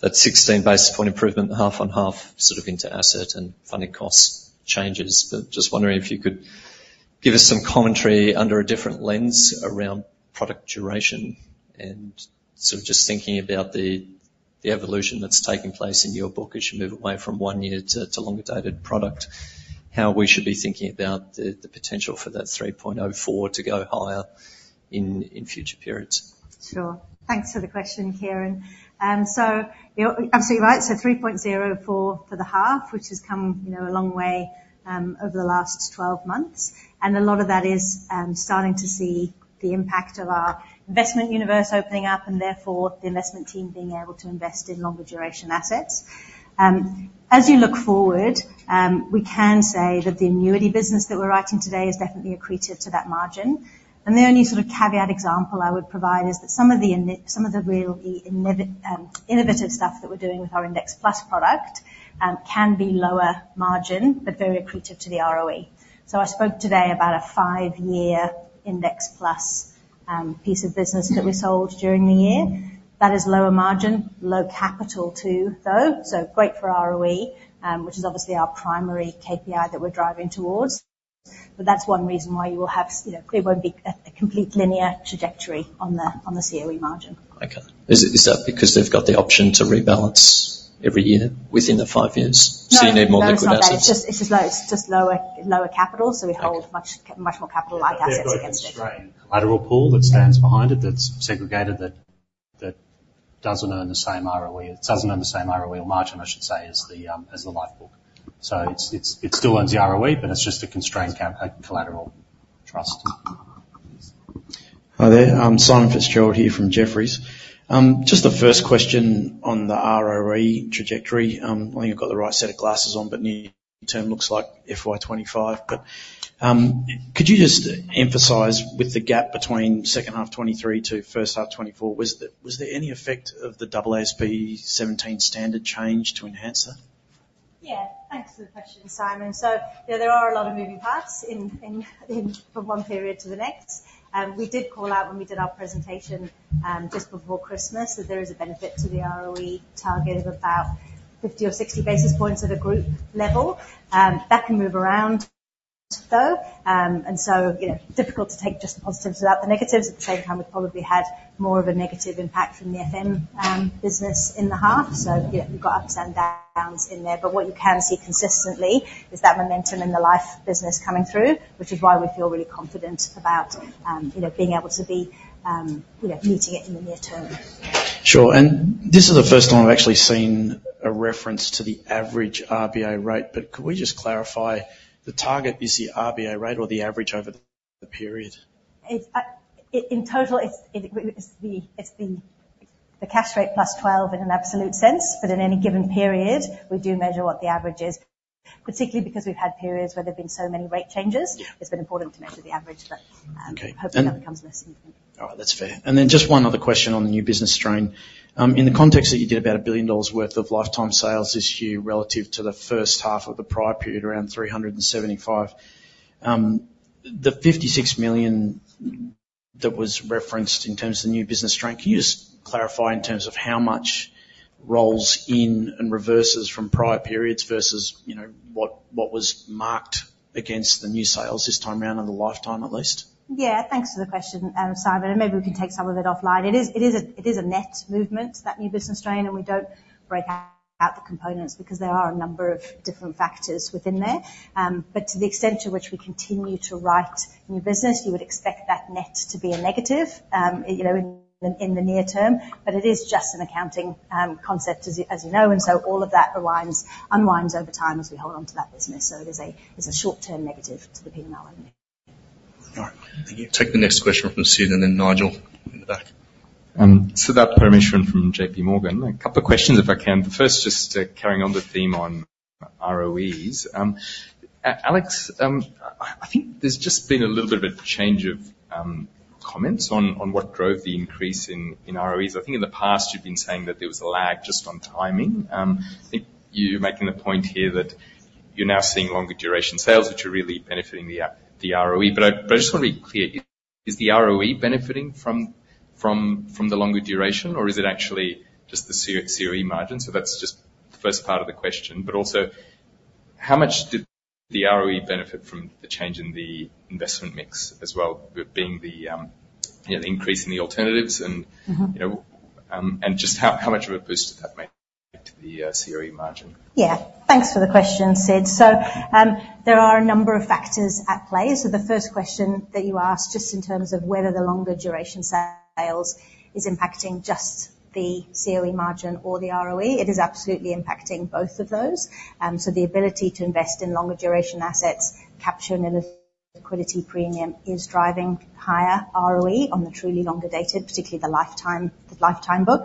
[SPEAKER 5] That 16 basis point improvement, half-on-half sort of into asset and funding costs changes. But just wondering if you could give us some commentary under a different lens around product duration and sort of just thinking about the evolution that's taking place in your book as you move away from one year to longer-dated product, how we should be thinking about the potential for that 3.04 to go higher in future periods.
[SPEAKER 4] Sure. Thanks for the question, Kieran. So you're absolutely right. So 3.04 for the half, which has come a long way over the last 12 months. And a lot of that is starting to see the impact of our investment universe opening up and therefore the investment team being able to invest in longer-duration assets. As you look forward, we can say that the annuity business that we're writing today is definitely accretive to that margin. And the only sort of caveat example I would provide is that some of the real innovative stuff that we're doing with our Index Plus product can be lower margin but very accretive to the ROE. So I spoke today about a 5-year Index Plus piece of business that we sold during the year. That is lower margin, low capital too, though. So great for ROE, which is obviously our primary KPI that we're driving towards. But that's one reason why you will have it won't be a complete linear trajectory on the COE margin.
[SPEAKER 5] Okay. Is that because they've got the option to rebalance every year within the five years? So you need more liquid assets?
[SPEAKER 4] No. It's just lower capital, so we hold much more capital-like assets against it.
[SPEAKER 3] Yeah. There's a constrained collateral pool that stands behind it that's segregated that doesn't own the same ROE it doesn't own the same ROE or margin, I should say, as the life book. So it still owns the ROE, but it's just a constrained collateral trust.
[SPEAKER 6] Hi there. Simon Fitzgerald here from Jefferies. Just a first question on the ROE trajectory. I think I've got the right set of glasses on, but near term looks like FY 2025. But could you just emphasise with the gap between second half 2023 to first half 2024, was there any effect of the AASB 17 standard change to enhance that?
[SPEAKER 4] Yeah. Thanks for the question, Simon. So there are a lot of moving parts from one period to the next. We did call out when we did our presentation just before Christmas that there is a benefit to the ROE target of about 50 or 60 basis points at a group level. That can move around, though. And so difficult to take just the positives without the negatives. At the same time, we've probably had more of a negative impact from the FM business in the half. So we've got ups and downs in there. But what you can see consistently is that momentum in the life business coming through, which is why we feel really confident about being able to be meeting it in the near term.
[SPEAKER 6] Sure. And this is the first time I've actually seen a reference to the average RBA rate. But could we just clarify? The target is the RBA rate or the average over the period?
[SPEAKER 4] In total, it's the cash rate plus 12 in an absolute sense, but in any given period, we do measure what the average is, particularly because we've had periods where there've been so many rate changes. It's been important to measure the average, but hopefully that becomes less significant.
[SPEAKER 6] All right. That's fair. And then just one other question on the new business strain. In the context that you did about 1 billion dollars worth of lifetime sales this year relative to the first half of the prior period, around 375 million, the 56 million that was referenced in terms of the new business strain, can you just clarify in terms of how much rolls in and reverses from prior periods versus what was marked against the new sales this time around and the lifetime at least?
[SPEAKER 4] Yeah. Thanks for the question, Simon. Maybe we can take some of it offline. It is a net movement, that new business strain, and we don't break out the components because there are a number of different factors within there. But to the extent to which we continue to write new business, you would expect that net to be a negative in the near term. It is just an accounting concept, as you know, and so all of that unwinds over time as we hold onto that business. It is a short-term negative to the P&L only.
[SPEAKER 6] All right. Thank you.
[SPEAKER 3] Take the next question from Sid and then Nigel in the back.
[SPEAKER 7] with that permission from JP Morgan. A couple of questions, if I can. The first, just carrying on the theme on ROEs. Alex, I think there's just been a little bit of a change of comments on what drove the increase in ROEs. I think in the past, you've been saying that there was a lag just on timing. I think you're making the point here that you're now seeing longer-duration sales, which are really benefiting the ROE. But I just want to be clear. Is the ROE benefiting from the longer duration, or is it actually just the COE margin? So that's just the first part of the question. But also, how much did the ROE benefit from the change in the investment mix as well, being the increase in the alternatives? And just how much of a boost did that make to the COE margin?
[SPEAKER 4] Yeah. Thanks for the question, Sids. So there are a number of factors at play. So the first question that you asked just in terms of whether the longer-duration sales is impacting just the COE margin or the ROE, it is absolutely impacting both of those. So the ability to invest in longer-duration assets, capture an illiquid liquidity premium, is driving higher ROE on the truly longer-dated, particularly the lifetime book.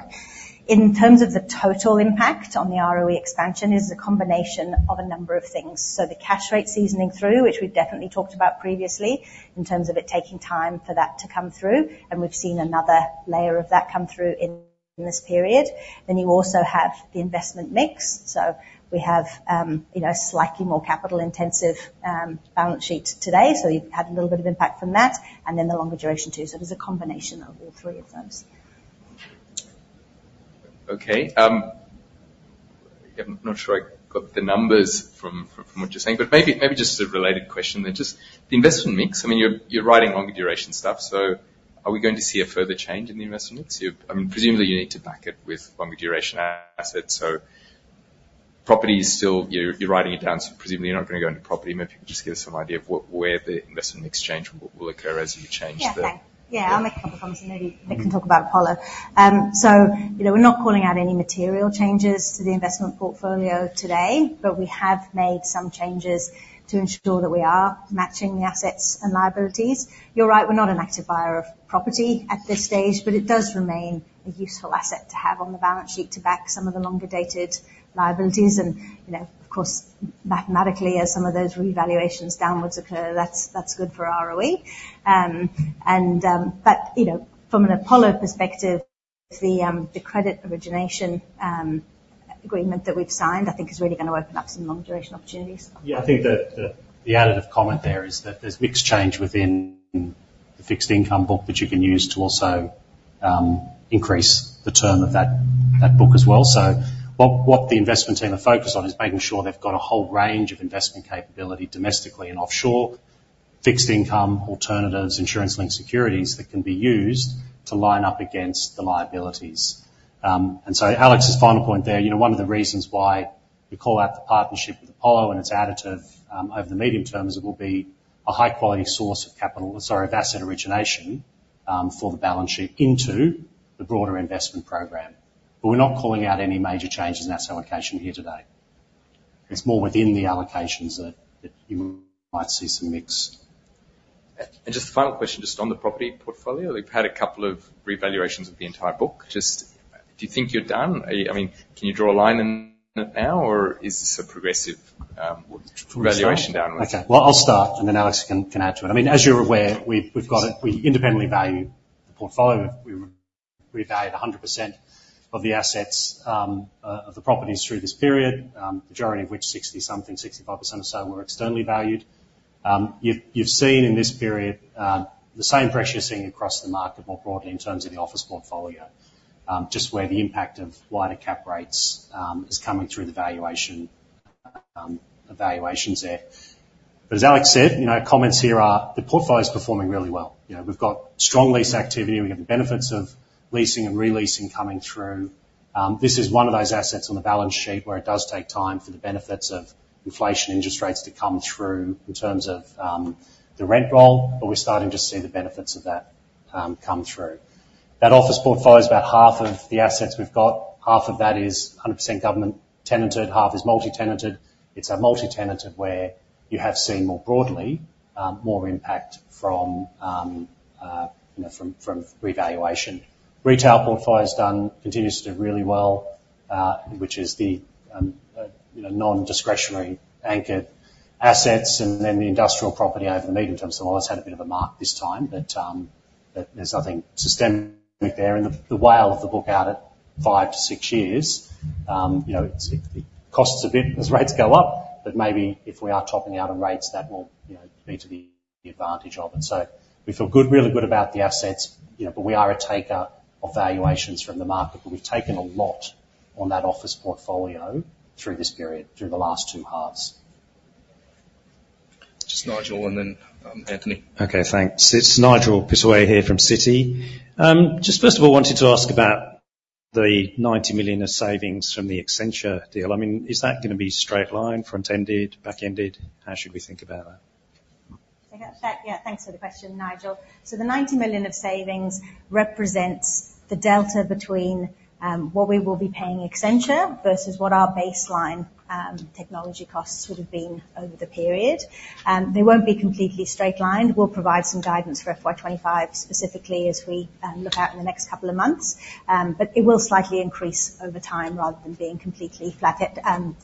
[SPEAKER 4] In terms of the total impact on the ROE expansion, it is a combination of a number of things. So the cash rate seasoning through, which we've definitely talked about previously in terms of it taking time for that to come through, and we've seen another layer of that come through in this period. Then you also have the investment mix. So we have a slightly more capital-intensive balance sheet today, so you've had a little bit of impact from that. And then the longer duration too. So it is a combination of all three of those.
[SPEAKER 7] Okay. I'm not sure I got the numbers from what you're saying, but maybe just a related question there. Just the investment mix. I mean, you're writing longer-duration stuff, so are we going to see a further change in the investment mix? I mean, presumably, you need to back it with longer-duration assets. So property is still you're writing it down, so presumably, you're not going to go into property. Maybe you could just give us some idea of where the investment mix change will occur as you change the.
[SPEAKER 4] Yeah. Thanks. Yeah. I'll make a couple of comments. And maybe Nick can talk about Apollo. So we're not calling out any material changes to the investment portfolio today, but we have made some changes to ensure that we are matching the assets and liabilities. You're right. We're not an active buyer of property at this stage, but it does remain a useful asset to have on the balance sheet to back some of the longer-dated liabilities. And of course, mathematically, as some of those revaluations downwards occur, that's good for ROE. But from an Apollo perspective, the credit origination agreement that we've signed, I think, is really going to open up some longer-duration opportunities.
[SPEAKER 3] Yeah. I think that the additive comment there is that there's mixed change within the fixed income book that you can use to also increase the term of that book as well. So what the investment team are focused on is making sure they've got a whole range of investment capability domestically and offshore, fixed income alternatives, insurance-linked securities that can be used to line up against the liabilities. And so Alex's final point there, one of the reasons why we call out the partnership with Apollo and its additive over the medium term is it will be a high-quality source of capital sorry, of asset origination for the balance sheet into the broader investment program. But we're not calling out any major changes in that allocation here today. It's more within the allocations that you might see some mix.
[SPEAKER 7] Just the final question just on the property portfolio. We've had a couple of revaluations of the entire book. Just, do you think you're done? I mean, can you draw a line in it now, or is this a progressive revaluation downwards?
[SPEAKER 3] Sure. Okay. Well, I'll start, and then Alex can add to it. I mean, as you're aware, we independently value the portfolio. We revalued 100% of the assets of the properties through this period, the majority of which 60-something, 65% or so were externally valued. You've seen in this period the same pressure you're seeing across the market more broadly in terms of the office portfolio, just where the impact of wider cap rates is coming through the valuations there. But as Alex said, comments here are the portfolio's performing really well. We've got strong lease activity. We have the benefits of leasing and releasing coming through. This is one of those assets on the balance sheet where it does take time for the benefits of inflation interest rates to come through in terms of the rent roll, but we're starting to see the benefits of that come through. That office portfolio's about half of the assets we've got. Half of that is 100% government-tenanted, half is multi-tenanted. It's a multi-tenanted where you have seen more broadly more impact from revaluation. Retail portfolio's done, continues to do really well, which is the non-discretionary anchored assets, and then the industrial property over the medium term. So we've always had a bit of a mark this time, but there's nothing systemic there. And the tail of the book out at 5-6 years, it costs a bit as rates go up, but maybe if we are topping out on rates, that will be to the advantage of it. So we feel really good about the assets, but we are a taker of valuations from the market. But we've taken a lot on that office portfolio through this period, through the last two halves.
[SPEAKER 2] Just Nigel and then Anthony.
[SPEAKER 8] Okay. Thanks. It's Nigel Pittaway here from Citi. Just first of all, wanted to ask about the 90 million of savings from the Accenture deal. I mean, is that going to be straight line, front-ended, back-ended? How should we think about that?
[SPEAKER 4] Yeah. Thanks for the question, Nigel. So the 90 million of savings represents the delta between what we will be paying Accenture versus what our baseline technology costs would have been over the period. They won't be completely straight lined. We'll provide some guidance for FY 2025 specifically as we look out in the next couple of months, but it will slightly increase over time rather than being completely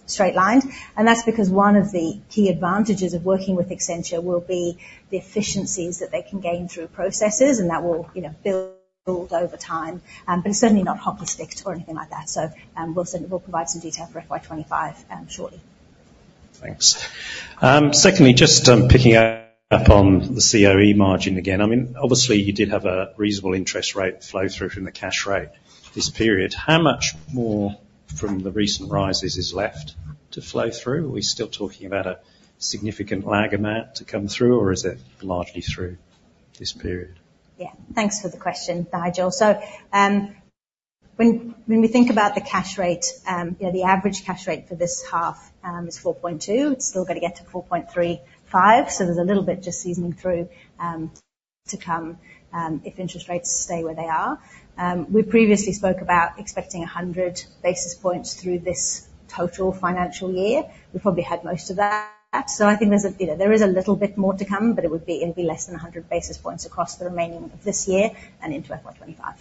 [SPEAKER 4] straight lined. And that's because one of the key advantages of working with Accenture will be the efficiencies that they can gain through processes, and that will build over time. But it's certainly not hockey sticks or anything like that. So we'll provide some detail for FY 2025 shortly.
[SPEAKER 8] Thanks. Secondly, just picking up on the COE margin again. I mean, obviously, you did have a reasonable interest rate flow-through from the cash rate this period. How much more from the recent rises is left to flow through? Are we still talking about a significant lag amount to come through, or is it largely through this period?
[SPEAKER 4] Yeah. Thanks for the question, Nigel. So when we think about the cash rate, the average cash rate for this half is 4.2. It's still got to get to 4.35, so there's a little bit just seasoning through to come if interest rates stay where they are. We previously spoke about expecting 100 basis points through this total financial year. We probably had most of that. So I think there is a little bit more to come, but it would be less than 100 basis points across the remaining of this year and into FY 2025.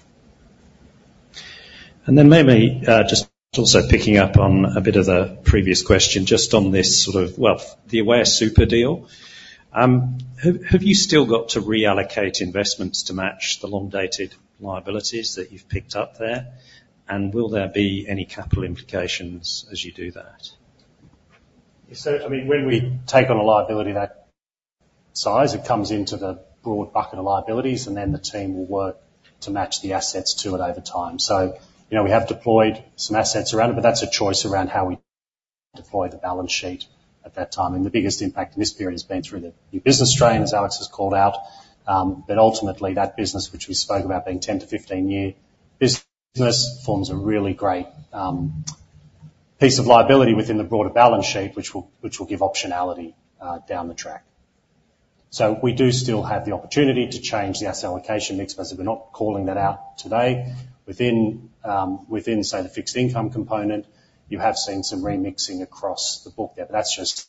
[SPEAKER 8] And then maybe just also picking up on a bit of the previous question, just on this sort of well, the Aware Super deal, have you still got to reallocate investments to match the long-dated liabilities that you've picked up there? And will there be any capital implications as you do that?
[SPEAKER 3] So I mean, when we take on a liability that size, it comes into the broad bucket of liabilities, and then the team will work to match the assets to it over time. So we have deployed some assets around it, but that's a choice around how we deploy the balance sheet at that time. And the biggest impact in this period has been through the new business strain, as Alex has called out. But ultimately, that business, which we spoke about being 10-15-year business, forms a really great piece of liability within the broader balance sheet, which will give optionality down the track. So we do still have the opportunity to change the asset allocation mix because we're not calling that out today. Within, say, the fixed income component, you have seen some remixing across the book there, but that's just,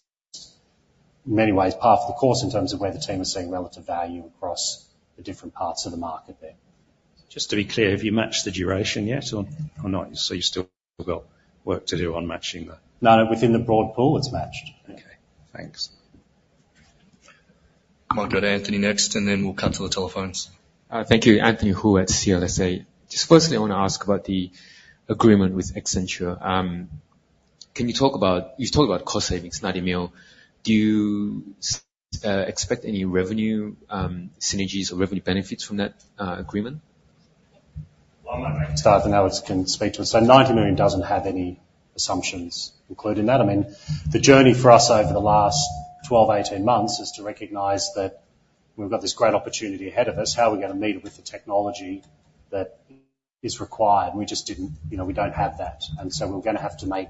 [SPEAKER 3] in many ways, part of the course in terms of where the team is seeing relative value across the different parts of the market there.
[SPEAKER 8] Just to be clear, have you matched the duration yet or not? So you've still got work to do on matching the.
[SPEAKER 3] No. Within the broad pool, it's matched.
[SPEAKER 8] Okay. Thanks.
[SPEAKER 2] I'll go to Anthony next, and then we'll cut to the telephones.
[SPEAKER 9] Thank you. Anthony Hoo at CLSA. Just firstly, I want to ask about the agreement with Accenture. Can you talk about you've talked about cost savings, Nadimil. Do you expect any revenue synergies or revenue benefits from that agreement?
[SPEAKER 3] Well, I'm not making a start, and Alex can speak to it. So 90 million doesn't have any assumptions included in that. I mean, the journey for us over the last 12, 18 months is to recognize that we've got this great opportunity ahead of us. How are we going to meet it with the technology that is required? We just don't have that. And so we're going to have to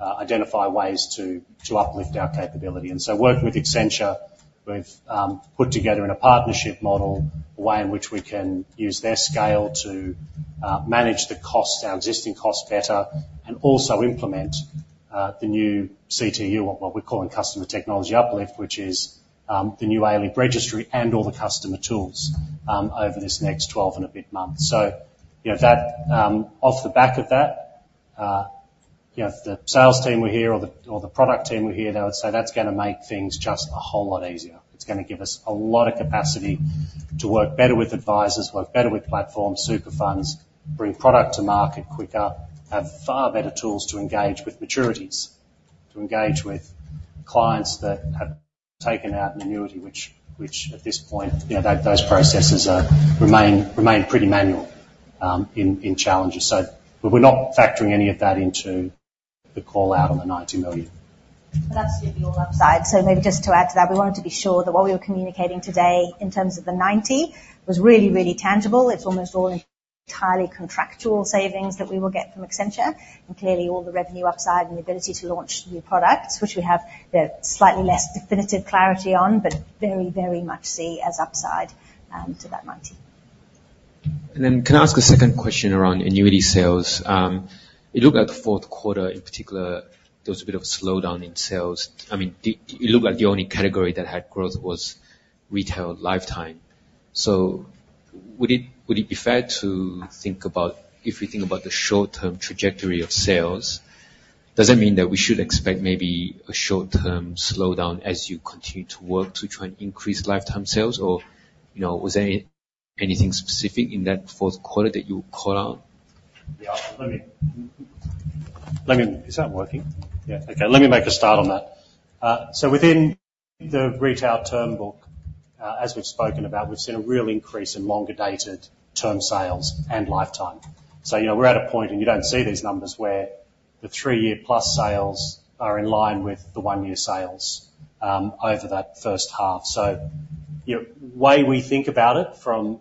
[SPEAKER 3] identify ways to uplift our capability. And so working with Accenture, we've put together in a partnership model a way in which we can use their scale to manage our existing costs better and also implement the new CTU, what we're calling customer technology uplift, which is the new ALIP registry and all the customer tools over this next 12 and a bit months. So off the back of that, if the sales team were here or the product team were here, they would say that's going to make things just a whole lot easier. It's going to give us a lot of capacity to work better with advisors, work better with platforms, super funds, bring product to market quicker, have far better tools to engage with maturities, to engage with clients that have taken out an annuity, which at this point, those processes remain pretty manual in Challenger's. So we're not factoring any of that into the call-out on the 90 million.
[SPEAKER 4] But that's really all upside. So maybe just to add to that, we wanted to be sure that what we were communicating today in terms of the 90 was really, really tangible. It's almost all entirely contractual savings that we will get from Accenture. And clearly, all the revenue upside and the ability to launch new products, which we have slightly less definitive clarity on but very, very much see as upside to that 90.
[SPEAKER 9] And then can I ask a second question around annuity sales? It looked like the fourth quarter, in particular, there was a bit of a slowdown in sales. I mean, it looked like the only category that had growth was retail lifetime. So would it be fair to think about if we think about the short-term trajectory of sales, does that mean that we should expect maybe a short-term slowdown as you continue to work to try and increase lifetime sales? Or was there anything specific in that fourth quarter that you would call out?
[SPEAKER 3] Yeah. Is that working? Yeah. Okay. Let me make a start on that. So within the retail term book, as we've spoken about, we've seen a real increase in longer-dated term sales and lifetime. So we're at a point, and you don't see these numbers, where the three-year-plus sales are in line with the one-year sales over that first half. So the way we think about it from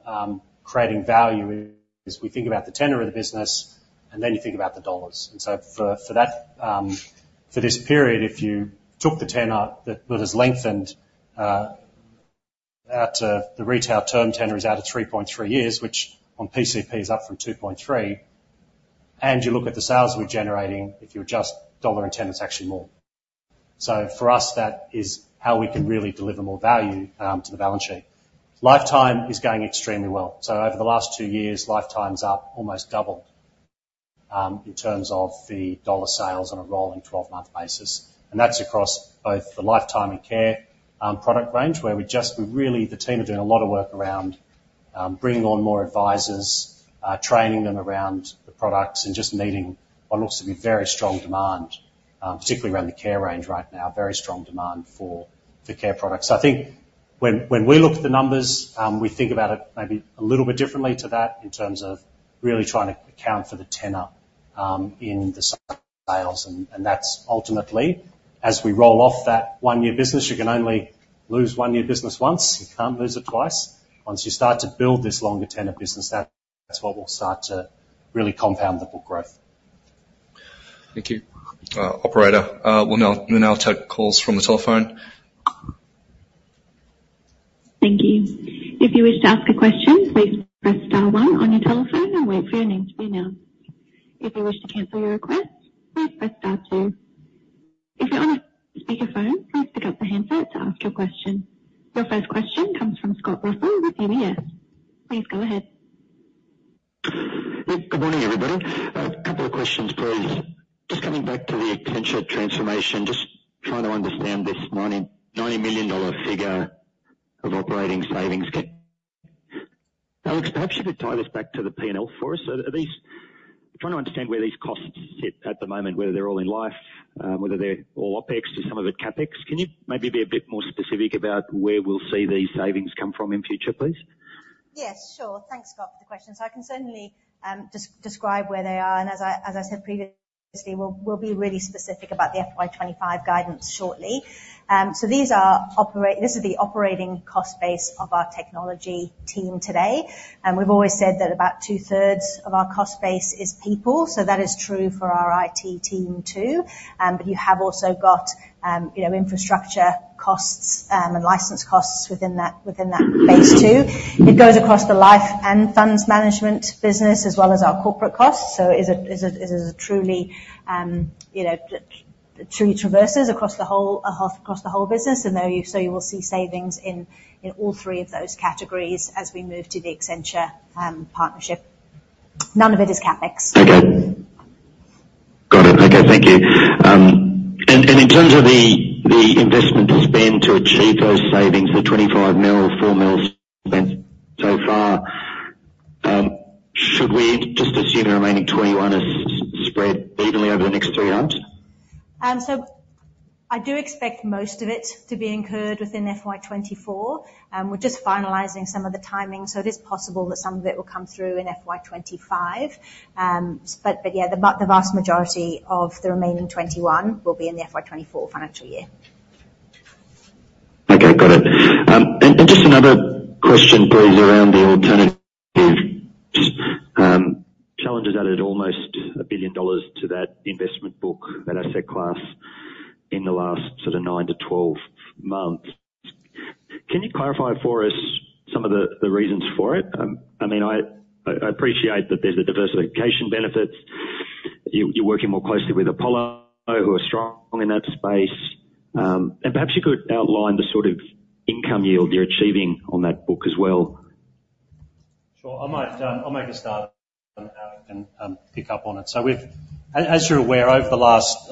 [SPEAKER 3] creating value is we think about the tenor of the business, and then you think about the dollars. And so for this period, if you took the tenor that has lengthened out to the retail term tenor is out of 3.3 years, which on PCP is up from 2.3, and you look at the sales we're generating, if you adjust dollar and tenor, it's actually more. So for us, that is how we can really deliver more value to the balance sheet. Lifetime is going extremely well. So over the last two years, lifetime's up almost double in terms of the dollar sales on a rolling 12-month basis. And that's across both the lifetime and care product range, where we're really the team are doing a lot of work around bringing on more advisors, training them around the products, and just meeting what looks to be very strong demand, particularly around the care range right now, very strong demand for care products. So I think when we look at the numbers, we think about it maybe a little bit differently to that in terms of really trying to account for the tenor in the sales. And that's ultimately, as we roll off that one-year business, you can only lose one-year business once. You can't lose it twice. Once you start to build this longer tenor business, that's what will start to really compound the book growth. Thank you. Operator. We'll now take calls from the telephone.
[SPEAKER 1] Thank you. If you wish to ask a question, please press star one on your telephone and wait for your name to be announced. If you wish to cancel your request, please press star two. If you're on a speakerphone, please pick up the handset to ask your question. Your first question comes from Scott Russell with UBS. Please go ahead.
[SPEAKER 10] Good morning, everybody. A couple of questions, please. Just coming back to the Accenture transformation, just trying to understand this 90 million dollar figure of operating savings. Alex, perhaps you could tie this back to the P&L for us. I'm trying to understand where these costs sit at the moment, whether they're all in life, whether they're all OpEx or some of it CapEx. Can you maybe be a bit more specific about where we'll see these savings come from in future, please?
[SPEAKER 4] Yes. Sure. Thanks, Scott, for the question. I can certainly describe where they are. As I said previously, we'll be really specific about the FY 2025 guidance shortly. This is the operating cost base of our technology team today. We've always said that about two-thirds of our cost base is people. That is true for our IT team too. But you have also got infrastructure costs and license costs within that base too. It goes across the life and funds management business as well as our corporate costs. It truly traverses across the whole business. You will see savings in all three of those categories as we move to the Accenture partnership. None of it is CapEx.
[SPEAKER 10] Okay. Got it. Okay. Thank you. And in terms of the investment spend to achieve those savings, the 25 million, 4 million spend so far, should we just assume the remaining 21 million is spread evenly over the next three halves?
[SPEAKER 4] I do expect most of it to be incurred within FY 2024. We're just finalizing some of the timing. It is possible that some of it will come through in FY 2025. Yeah, the vast majority of the remaining 21 will be in the FY 2024 financial year.
[SPEAKER 10] Okay. Got it. And just another question, please, around the alternatives Challenger added almost 1 billion dollars to that investment book, that asset class, in the last sort of nine to 12 months. Can you clarify for us some of the reasons for it? I mean, I appreciate that there's the diversification benefits. You're working more closely with Apollo who are strong in that space. And perhaps you could outline the sort of income yield you're achieving on that book as well?
[SPEAKER 3] Sure. I'll make a start, Alex, and pick up on it. So as you're aware, over the last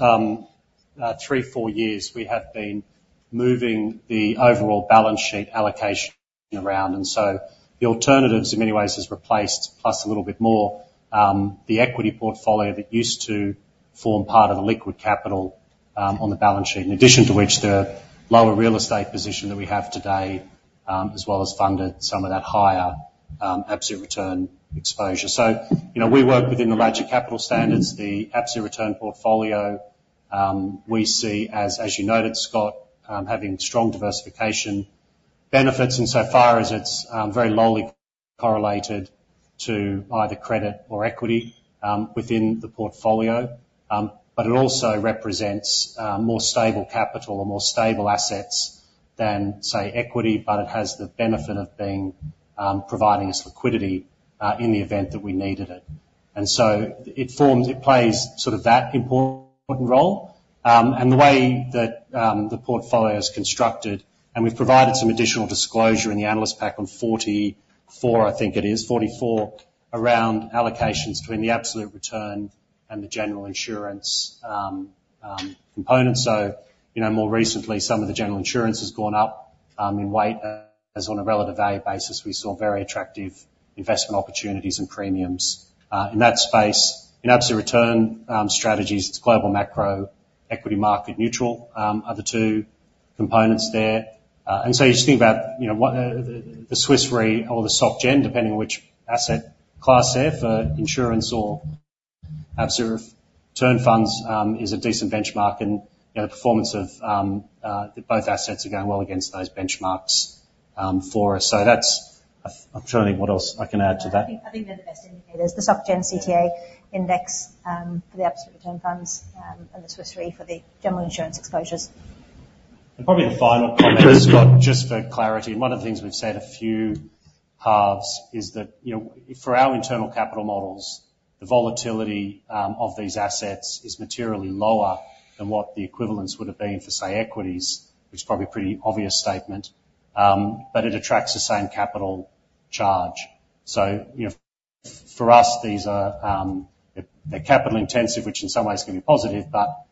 [SPEAKER 3] 3 or 4 years, we have been moving the overall balance sheet allocation around. And so the alternatives, in many ways, has replaced, plus a little bit more, the equity portfolio that used to form part of the liquid capital on the balance sheet, in addition to which the lower real estate position that we have today as well as funded some of that higher absolute return exposure. So we work within the leverage capital standards. The absolute return portfolio, we see, as you noted, Scott, having strong diversification benefits insofar as it's very lowly correlated to either credit or equity within the portfolio. But it also represents more stable capital or more stable assets than, say, equity, but it has the benefit of providing us liquidity in the event that we needed it. And so it plays sort of that important role. And the way that the portfolio is constructed and we've provided some additional disclosure in the analyst pack on 44, I think it is, 44, around allocations between the absolute return and the general insurance component. So more recently, some of the general insurance has gone up in weight. As on a relative value basis, we saw very attractive investment opportunities and premiums in that space. In absolute return strategies, it's global macro, equity, market neutral are the two components there. And so you just think about the Swiss Re or the SocGen, depending on which asset class there for insurance or absolute return funds, is a decent benchmark. The performance of both assets are going well against those benchmarks for us. So that's. I'm trying to think what else I can add to that.
[SPEAKER 4] I think they're the best indicators, the SocGen CTA index for the absolute return funds and the Swiss Re for the general insurance exposures.
[SPEAKER 3] Probably the final comment, Scott, just for clarity. One of the things we've said a few halves is that for our internal capital models, the volatility of these assets is materially lower than what the equivalents would have been for, say, equities, which is probably a pretty obvious statement. But it attracts the same capital charge. So for us, they're capital intensive, which in some ways can be positive, but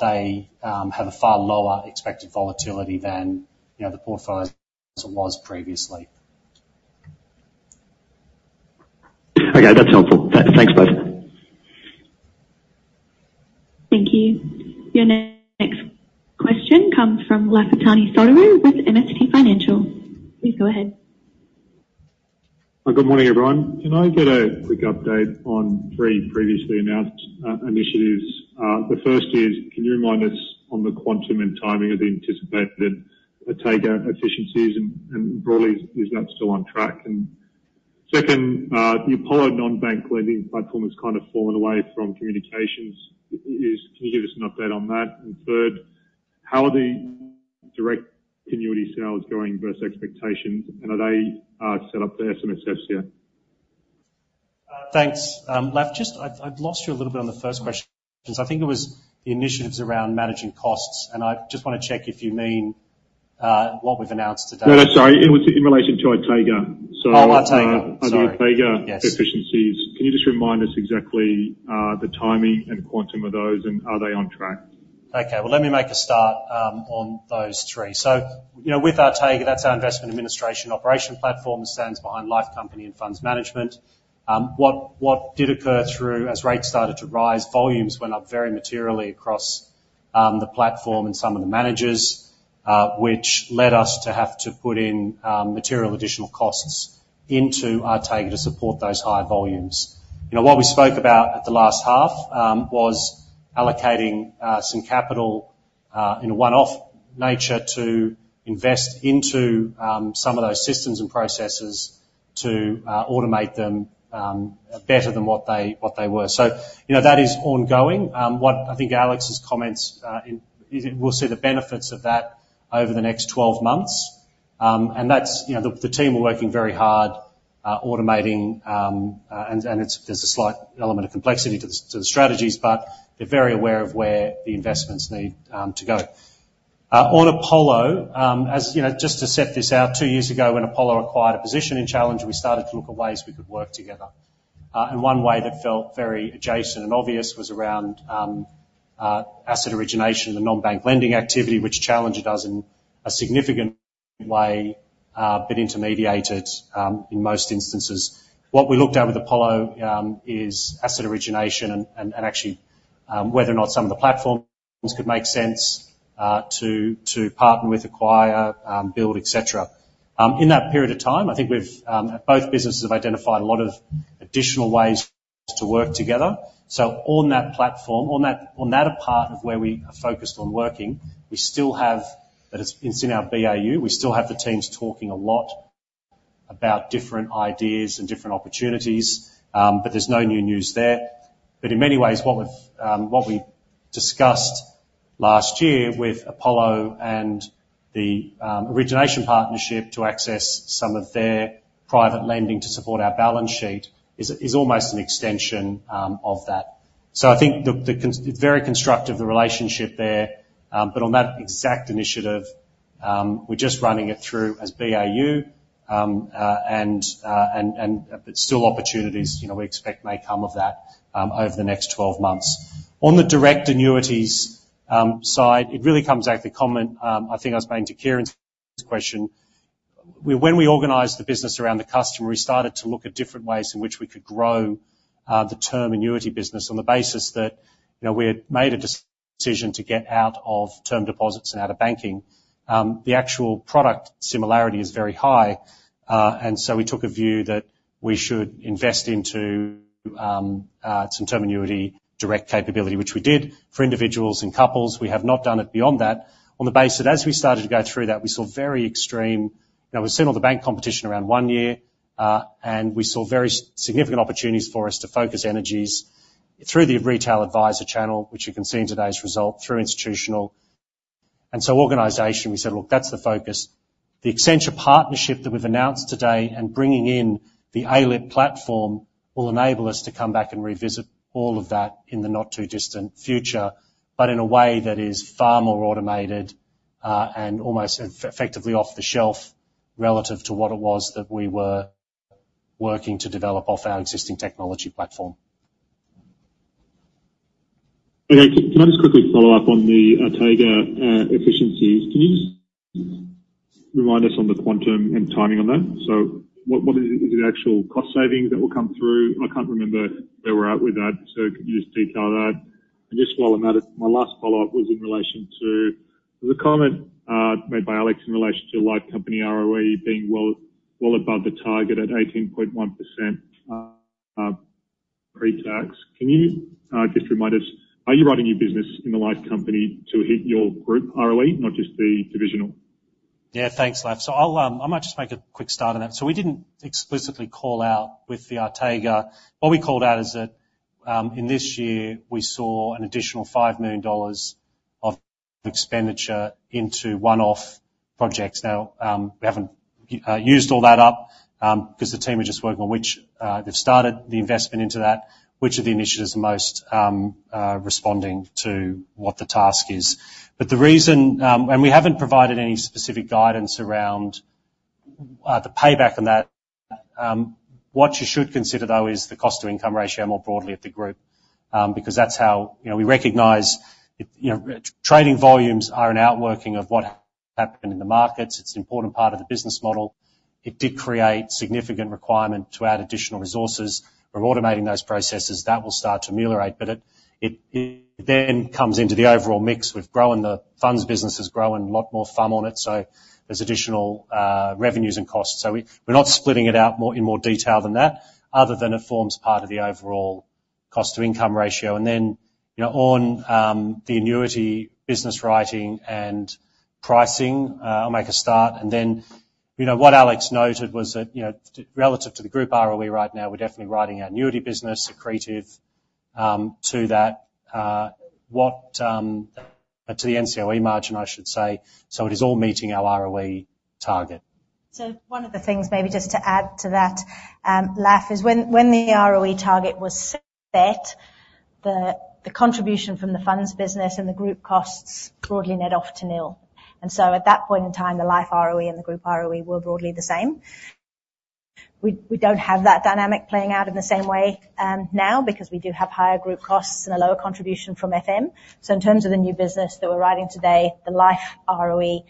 [SPEAKER 3] they have a far lower expected volatility than the portfolio as it was previously.
[SPEAKER 10] Okay. That's helpful. Thanks, both.
[SPEAKER 1] Thank you. Your next question comes from Lafitani Sotiriou with MST Financial. Please go ahead.
[SPEAKER 11] Good morning, everyone. Can I get a quick update on three previously announced initiatives? The first is, can you remind us on the quantum and timing of the anticipated takeout efficiencies? And broadly, is that still on track? And second, the Apollo non-bank lending platform has kind of fallen away from communications. Can you give us an update on that? And third, how are the direct annuity sales going versus expectations? And are they set up for SMSFs yet?
[SPEAKER 3] Thanks, Laff. I've lost you a little bit on the first questions. I think it was the initiatives around managing costs. And I just want to check if you mean what we've announced today.
[SPEAKER 11] No, no. Sorry. It was in relation to our takeout. So.
[SPEAKER 3] Oh, our takeout.
[SPEAKER 11] Can you just remind us exactly the timing and quantum of those? And are they on track?
[SPEAKER 3] Okay. Well, let me make a start on those three. So with our takeout, that's our investment administration operation platform that stands behind life company and funds management. What did occur through as rates started to rise, volumes went up very materially across the platform and some of the managers, which led us to have to put in material additional costs into our takeout to support those high volumes. What we spoke about at the last half was allocating some capital in a one-off nature to invest into some of those systems and processes to automate them better than what they were. So that is ongoing. I think Alex's comments we'll see the benefits of that over the next 12 months. And the team are working very hard automating. And there's a slight element of complexity to the strategies, but they're very aware of where the investments need to go. On Apollo, just to set this out, two years ago when Apollo acquired a position in Challenger, we started to look at ways we could work together. One way that felt very adjacent and obvious was around asset origination, the non-bank lending activity, which Challenger does in a significant way, but intermediated in most instances. What we looked at with Apollo is asset origination and actually whether or not some of the platforms could make sense to partner with, acquire, build, etc. In that period of time, I think both businesses have identified a lot of additional ways to work together. On that platform, on that part of where we are focused on working, we still have it in our BAU. We still have the teams talking a lot about different ideas and different opportunities. There's no new news there. In many ways, what we discussed last year with Apollo and the origination partnership to access some of their private lending to support our balance sheet is almost an extension of that. So I think it's very constructive, the relationship there. But on that exact initiative, we're just running it through as BAU. But still, opportunities we expect may come of that over the next 12 months. On the direct annuities side, it really comes back to the comment I think I was making to Kieran's question. When we organized the business around the customer, we started to look at different ways in which we could grow the term annuity business on the basis that we had made a decision to get out of term deposits and out of banking. The actual product similarity is very high. We took a view that we should invest into some term annuity direct capability, which we did for individuals and couples. We have not done it beyond that. On the basis that as we started to go through that, we saw very extreme all the bank competition around one year. We saw very significant opportunities for us to focus energies through the retail advisor channel, which you can see in today's result, through institutional. And so organisation, we said, "Look, that's the focus." The Accenture partnership that we've announced today and bringing in the ALIP platform will enable us to come back and revisit all of that in the not too distant future, but in a way that is far more automated and almost effectively off the shelf relative to what it was that we were working to develop off our existing technology platform.
[SPEAKER 11] Okay. Can I just quickly follow up on the takeout efficiencies? Can you just remind us on the quantum and timing on that? So is it actual cost savings that will come through? I can't remember where we're at with that. So can you just detail that? And just while I'm at it, my last follow-up was in relation to there was a comment made by Alex in relation to life company ROE being well above the target at 18.1% pre-tax. Can you just remind us are you writing new business in the life company to hit your group ROE, not just the divisional?
[SPEAKER 3] Yeah. Thanks, Laff. So I might just make a quick start on that. So we didn't explicitly call out with our takeout. What we called out is that in this year, we saw an additional 5 million dollars of expenditure into one-off projects. Now, we haven't used all that up because the team are just working on which they've started the investment into that, which of the initiatives are most responding to what the task is. But the reason and we haven't provided any specific guidance around the payback on that. What you should consider, though, is the cost-to-income ratio more broadly at the group because that's how we recognize trading volumes are an outworking of what happened in the markets. It's an important part of the business model. It did create significant requirement to add additional resources. We're automating those processes. That will start to ameliorate. But it then comes into the overall mix. We've grown the funds business. There's grown a lot more FUM on it. So there's additional revenues and costs. So we're not splitting it out in more detail than that other than it forms part of the overall cost-to-income ratio. And then on the annuity business writing and pricing, I'll make a start. And then what Alex noted was that relative to the group ROE right now, we're definitely writing our annuity business, accretive, to the NCOE margin, I should say. So it is all meeting our ROE target.
[SPEAKER 4] So one of the things maybe just to add to that, Laff, is when the ROE target was set, the contribution from the funds business and the group costs broadly netted off to nil. And so at that point in time, the life ROE and the group ROE were broadly the same. We don't have that dynamic playing out in the same way now because we do have higher group costs and a lower contribution from FM. So in terms of the new business that we're writing today, the life ROE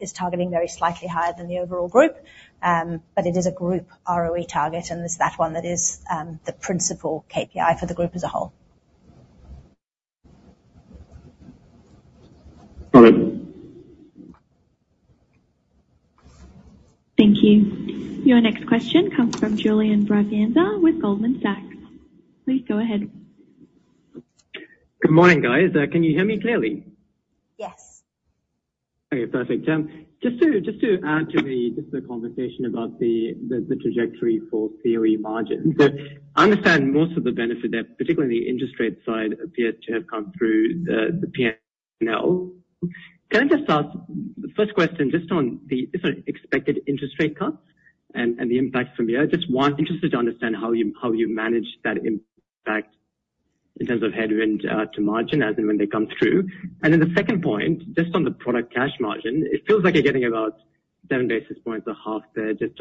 [SPEAKER 4] is targeting very slightly higher than the overall group. But it is a group ROE target. And it's that one that is the principal KPI for the group as a whole.
[SPEAKER 11] Got it.
[SPEAKER 1] Thank you. Your next question comes from Julian Braganza with Goldman Sachs. Please go ahead.
[SPEAKER 12] Good morning, guys. Can you hear me clearly?
[SPEAKER 4] Yes.
[SPEAKER 12] Okay. Perfect. Just to add to the conversation about the trajectory for COE margins, I understand most of the benefit there, particularly on the interest rate side, appears to have come through the P&L. Can I just ask the first question just on the expected interest rate cuts and the impact from here? Just interested to understand how you manage that impact in terms of headwind to margin, as in when they come through. And then the second point, just on the product cash margin, it feels like you're getting about 7 basis points a half there just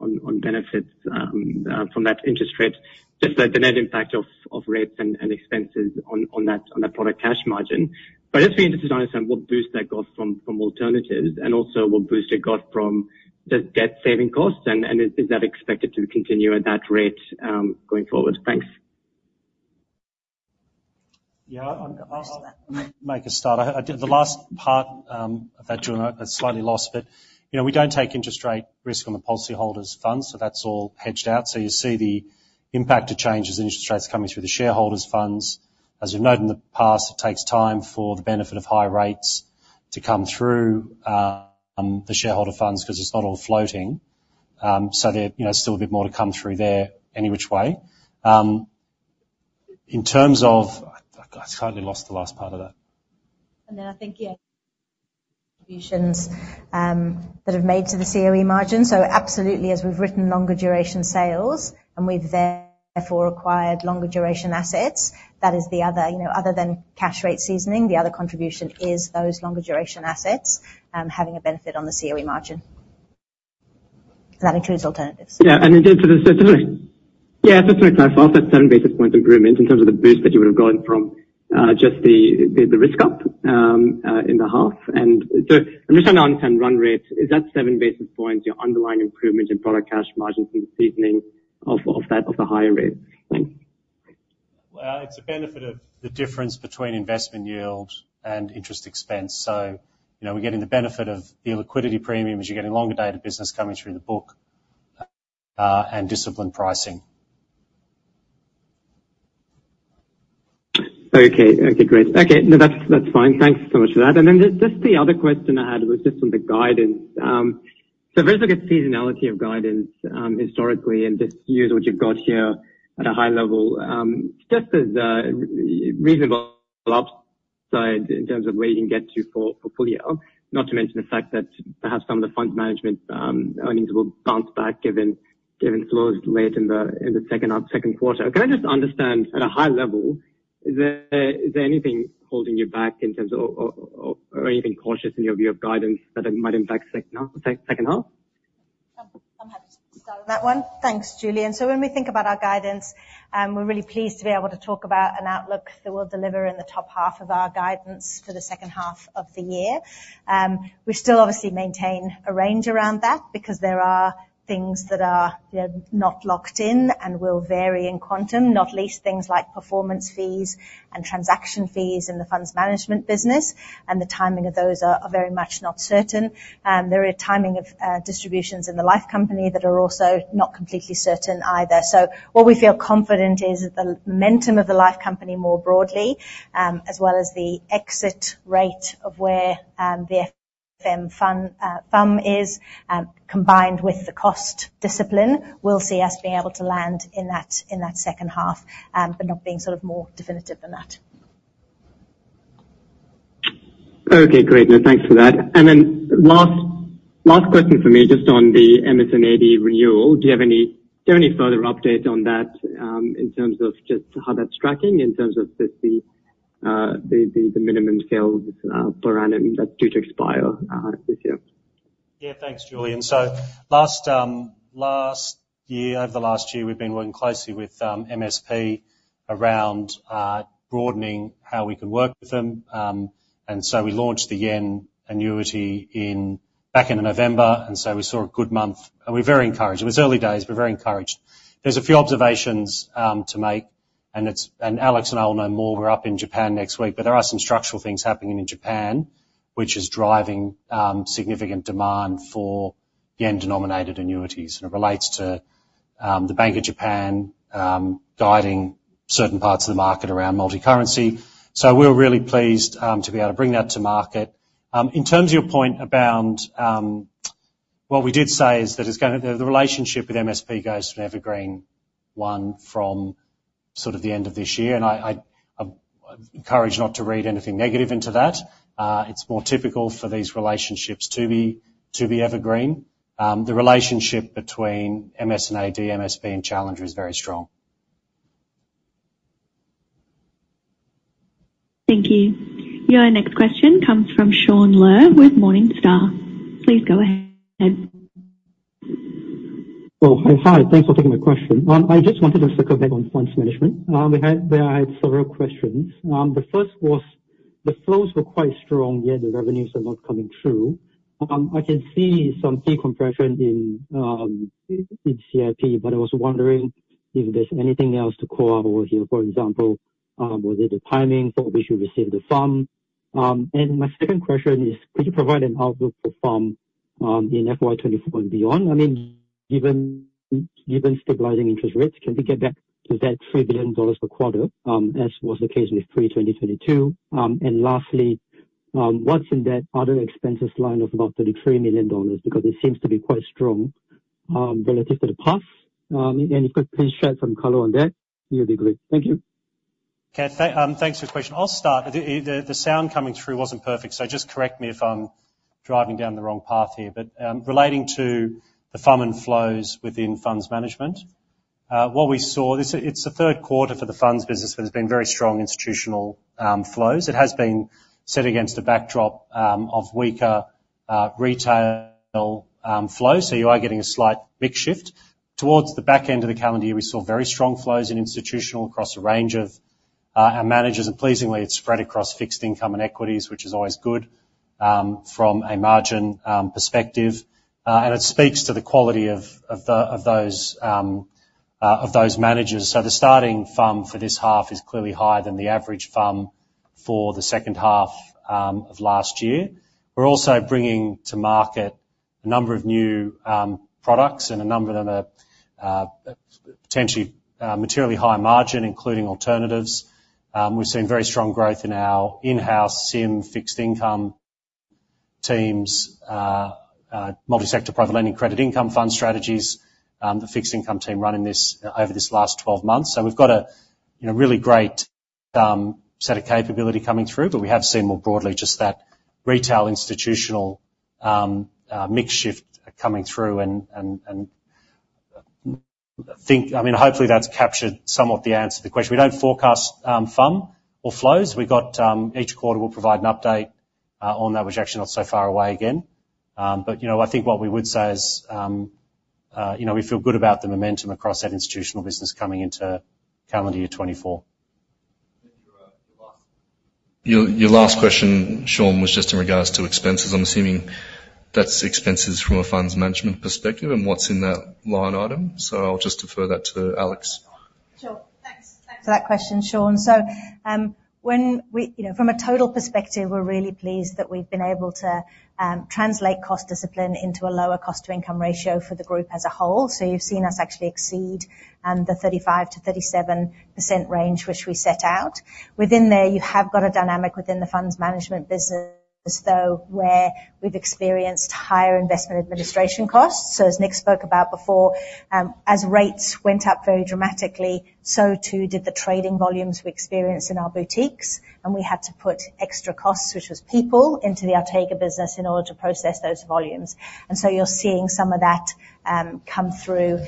[SPEAKER 12] on benefits from that interest rate, just the net impact of rates and expenses on that product cash margin. But I guess we're interested to understand what boost that got from alternatives and also what boost it got from just debt saving costs. Is that expected to continue at that rate going forward? Thanks.
[SPEAKER 3] Yeah. I'll make a start. The last part of that, Julian, I've slightly lost a bit. We don't take interest rate risk on the policyholders' funds. So that's all hedged out. So you see the impact of changes in interest rates coming through the shareholders' funds. As we've noted in the past, it takes time for the benefit of high rates to come through the shareholder funds because it's not all floating. So there's still a bit more to come through there any which way. In terms of I slightly lost the last part of that.
[SPEAKER 4] And then I think, yeah. Contributions that have made to the COE margin. So absolutely, as we've written longer-duration sales and we've therefore acquired longer-duration assets, that is the other than cash rate seasoning, the other contribution is those longer-duration assets having a benefit on the COE margin. And that includes alternatives.
[SPEAKER 12] Yeah. In terms of that, yeah. That's my first. I said 7 basis points improvement in terms of the boost that you would have gotten from just the risk up in the half. So I'm just trying to understand run rate. Is that 7 basis points, your underlying improvement in product cash margins and the seasoning of the higher rates? Thanks.
[SPEAKER 3] Well, it's a benefit of the difference between investment yield and interest expense. So we're getting the benefit of the liquidity premium as you're getting longer-dated business coming through the book and disciplined pricing.
[SPEAKER 12] Okay. Okay. Great. Okay. No, that's fine. Thanks so much for that. And then just the other question I had was just on the guidance. So if we're going to look at seasonality of guidance historically and just use what you've got here at a high level, it's just a reasonable upside in terms of where you can get to for full year, not to mention the fact that perhaps some of the funds management earnings will bounce back given floors late in the second quarter. Can I just understand at a high level, is there anything holding you back in terms of or anything cautious in your view of guidance that might impact second half?
[SPEAKER 4] I'm happy to start on that one. Thanks, Julian. So when we think about our guidance, we're really pleased to be able to talk about an outlook that we'll deliver in the top half of our guidance for the second half of the year. We still obviously maintain a range around that because there are things that are not locked in and will vary in quantum, not least things like performance fees and transaction fees in the funds management business. The timing of those are very much not certain. There are timing of distributions in the life company that are also not completely certain either. So what we feel confident is that the momentum of the life company more broadly, as well as the exit rate of where the FM FUM is combined with the cost discipline, will see us being able to land in that second half but not being sort of more definitive than that.
[SPEAKER 12] Okay. Great. No, thanks for that. And then last question for me just on the MS&AD renewal. Do you have any further update on that in terms of just how that's tracking in terms of just the minimum sales per annum that's due to expire this year?
[SPEAKER 3] Yeah. Thanks, Julian. So over the last year, we've been working closely with MSP around broadening how we can work with them. And so we launched the yen annuity back in November. And so we saw a good month. And we're very encouraged. It was early days. We're very encouraged. There's a few observations to make. And Alex and I will know more. We're up in Japan next week. But there are some structural things happening in Japan which is driving significant demand for yen-denominated annuities. And it relates to the Bank of Japan guiding certain parts of the market around multicurrency. So we're really pleased to be able to bring that to market. In terms of your point about what we did say is that the relationship with MSP goes to an evergreen one from sort of the end of this year. I encourage not to read anything negative into that. It's more typical for these relationships to be evergreen. The relationship between MS&AD, MSP, and Challenger is very strong.
[SPEAKER 1] Thank you. Your next question comes from Shaun Ler with Morningstar. Please go ahead.
[SPEAKER 13] Oh, hi. Hi. Thanks for taking my question. I just wanted to circle back on funds management. There are several questions. The first was the flows were quite strong, yet the revenues are not coming through. I can see some fee compression in CIP. But I was wondering if there's anything else to call out over here. For example, was it the timing for which you received the FUM? And my second question is, could you provide an outlook for FUM in FY 2024 and beyond? I mean, given stabilizing interest rates, can we get back to that 3 billion dollars per quarter as was the case with pre-2022? And lastly, what's in that other expenses line of about 33 million dollars because it seems to be quite strong relative to the past? And if you could please shed some color on that, it would be great. Thank you.
[SPEAKER 3] Okay. Thanks for your question. I'll start. The sound coming through wasn't perfect. So just correct me if I'm driving down the wrong path here. But relating to the FUM and flows within funds management, what we saw it's the third quarter for the funds business where there's been very strong institutional flows. It has been set against a backdrop of weaker retail flows. So you are getting a slight mix shift. Towards the back end of the calendar year, we saw very strong flows in institutional across a range of managers. And pleasingly, it's spread across fixed income and equities which is always good from a margin perspective. And it speaks to the quality of those managers. So the starting FUM for this half is clearly higher than the average FUM for the second half of last year. We're also bringing to market a number of new products and a number that are potentially materially high margin, including alternatives. We've seen very strong growth in our in-house CIM fixed income teams, multisector private lending credit income fund strategies, the fixed income team running over this last 12 months. So we've got a really great set of capability coming through. But we have seen more broadly just that retail institutional mix shift coming through. And I mean, hopefully, that's captured somewhat the answer to the question. We don't forecast FUM or flows. Each quarter, we'll provide an update on that which actually not so far away again. But I think what we would say is we feel good about the momentum across that institutional business coming into calendar year 2024. Your last question, Sean, was just in regards to expenses. I'm assuming that's expenses from a funds management perspective and what's in that line item. So I'll just defer that to Alex.
[SPEAKER 4] Sure. Thanks for that question, Shaun. So from a total perspective, we're really pleased that we've been able to translate cost discipline into a lower cost-to-income ratio for the group as a whole. So you've seen us actually exceed the 35%-37% range which we set out. Within there, you have got a dynamic within the funds management business, though, where we've experienced higher investment administration costs. So as Nick spoke about before, as rates went up very dramatically, so too did the trading volumes we experienced in our boutiques. And we had to put extra costs, which was people, into the Artega business in order to process those volumes. And so you're seeing some of that come through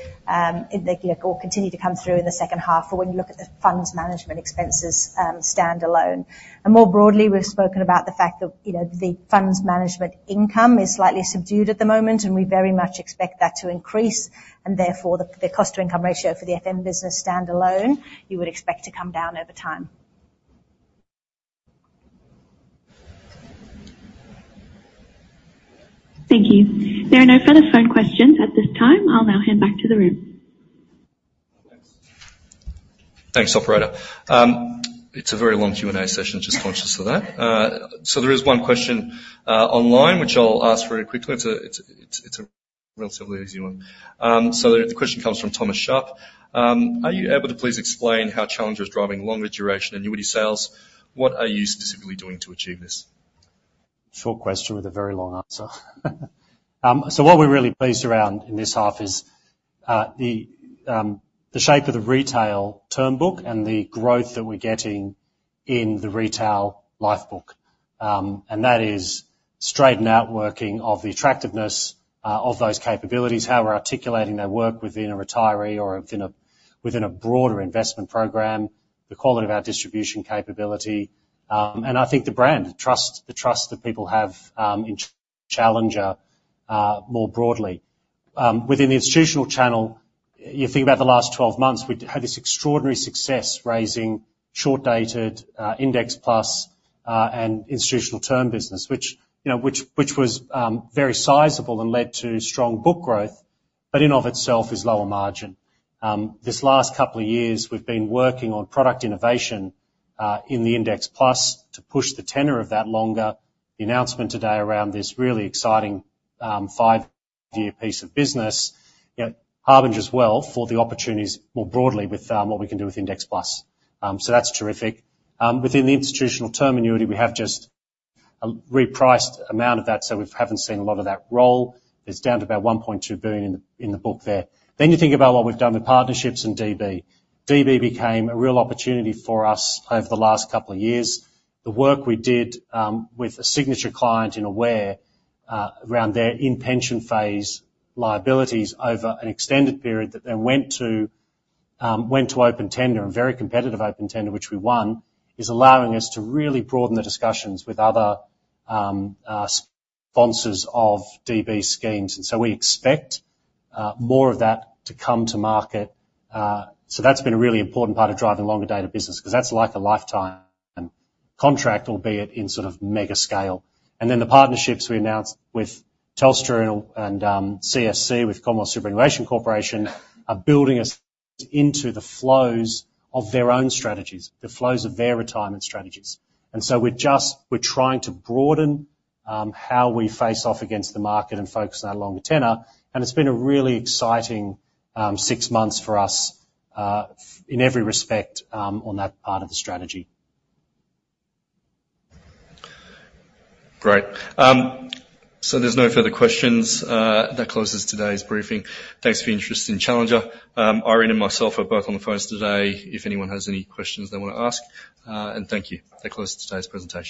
[SPEAKER 4] or continue to come through in the second half or when you look at the funds management expenses standalone. More broadly, we've spoken about the fact that the funds management income is slightly subdued at the moment. We very much expect that to increase. Therefore, the cost-to-income ratio for the FM business stand alone, you would expect to come down over time.
[SPEAKER 1] Thank you. There are no further phone questions at this time. I'll now hand back to the room.
[SPEAKER 3] Thanks. Thanks, operator. It's a very long Q&A session. Just conscious of that. There is one question online which I'll ask very quickly. It's a relatively easy one. The question comes from Thomas Sharp. Are you able to please explain how Challenger is driving longer-duration annuity sales? What are you specifically doing to achieve this? Short question with a very long answer. What we're really pleased around in this half is the shape of the retail term book and the growth that we're getting in the retail life book. That is straightforward working of the attractiveness of those capabilities, how we're articulating their worth within a retirement or within a broader investment program, the quality of our distribution capability. I think the brand, the trust that people have in Challenger more broadly. Within the institutional channel, you think about the last 12 months, we had this extraordinary success raising short-dated index plus and institutional term business which was very sizable and led to strong book growth but in and of itself is lower margin. This last couple of years, we've been working on product innovation in the index plus to push the tenor of that longer. The announcement today around this really exciting 5-year piece of business harbingers well for the opportunities more broadly with what we can do with index plus. So that's terrific. Within the institutional term annuity, we have just a repriced amount of that. So we haven't seen a lot of that roll. It's down to about 1.2 billion in the book there. Then you think about what we've done with partnerships and DB. DB became a real opportunity for us over the last couple of years. The work we did with a signature client in Aware around their in-pension phase liabilities over an extended period that then went to open tender and very competitive open tender which we won is allowing us to really broaden the discussions with other sponsors of DB schemes. So we expect more of that to come to market. That's been a really important part of driving longer-dated business because that's like a lifetime contract, albeit in sort of megascale. Then the partnerships we announced with Telstra and CSC, with Commonwealth Superannuation Corporation, are building us into the flows of their own strategies, the flows of their retirement strategies. So we're trying to broaden how we face off against the market and focus on that longer tenor. It's been a really exciting six months for us in every respect on that part of the strategy.
[SPEAKER 2] Great. There's no further questions. That closes today's briefing. Thanks for your interest in Challenger. Irene and myself are both on the phones today if anyone has any questions they want to ask. Thank you. That closes today's presentation.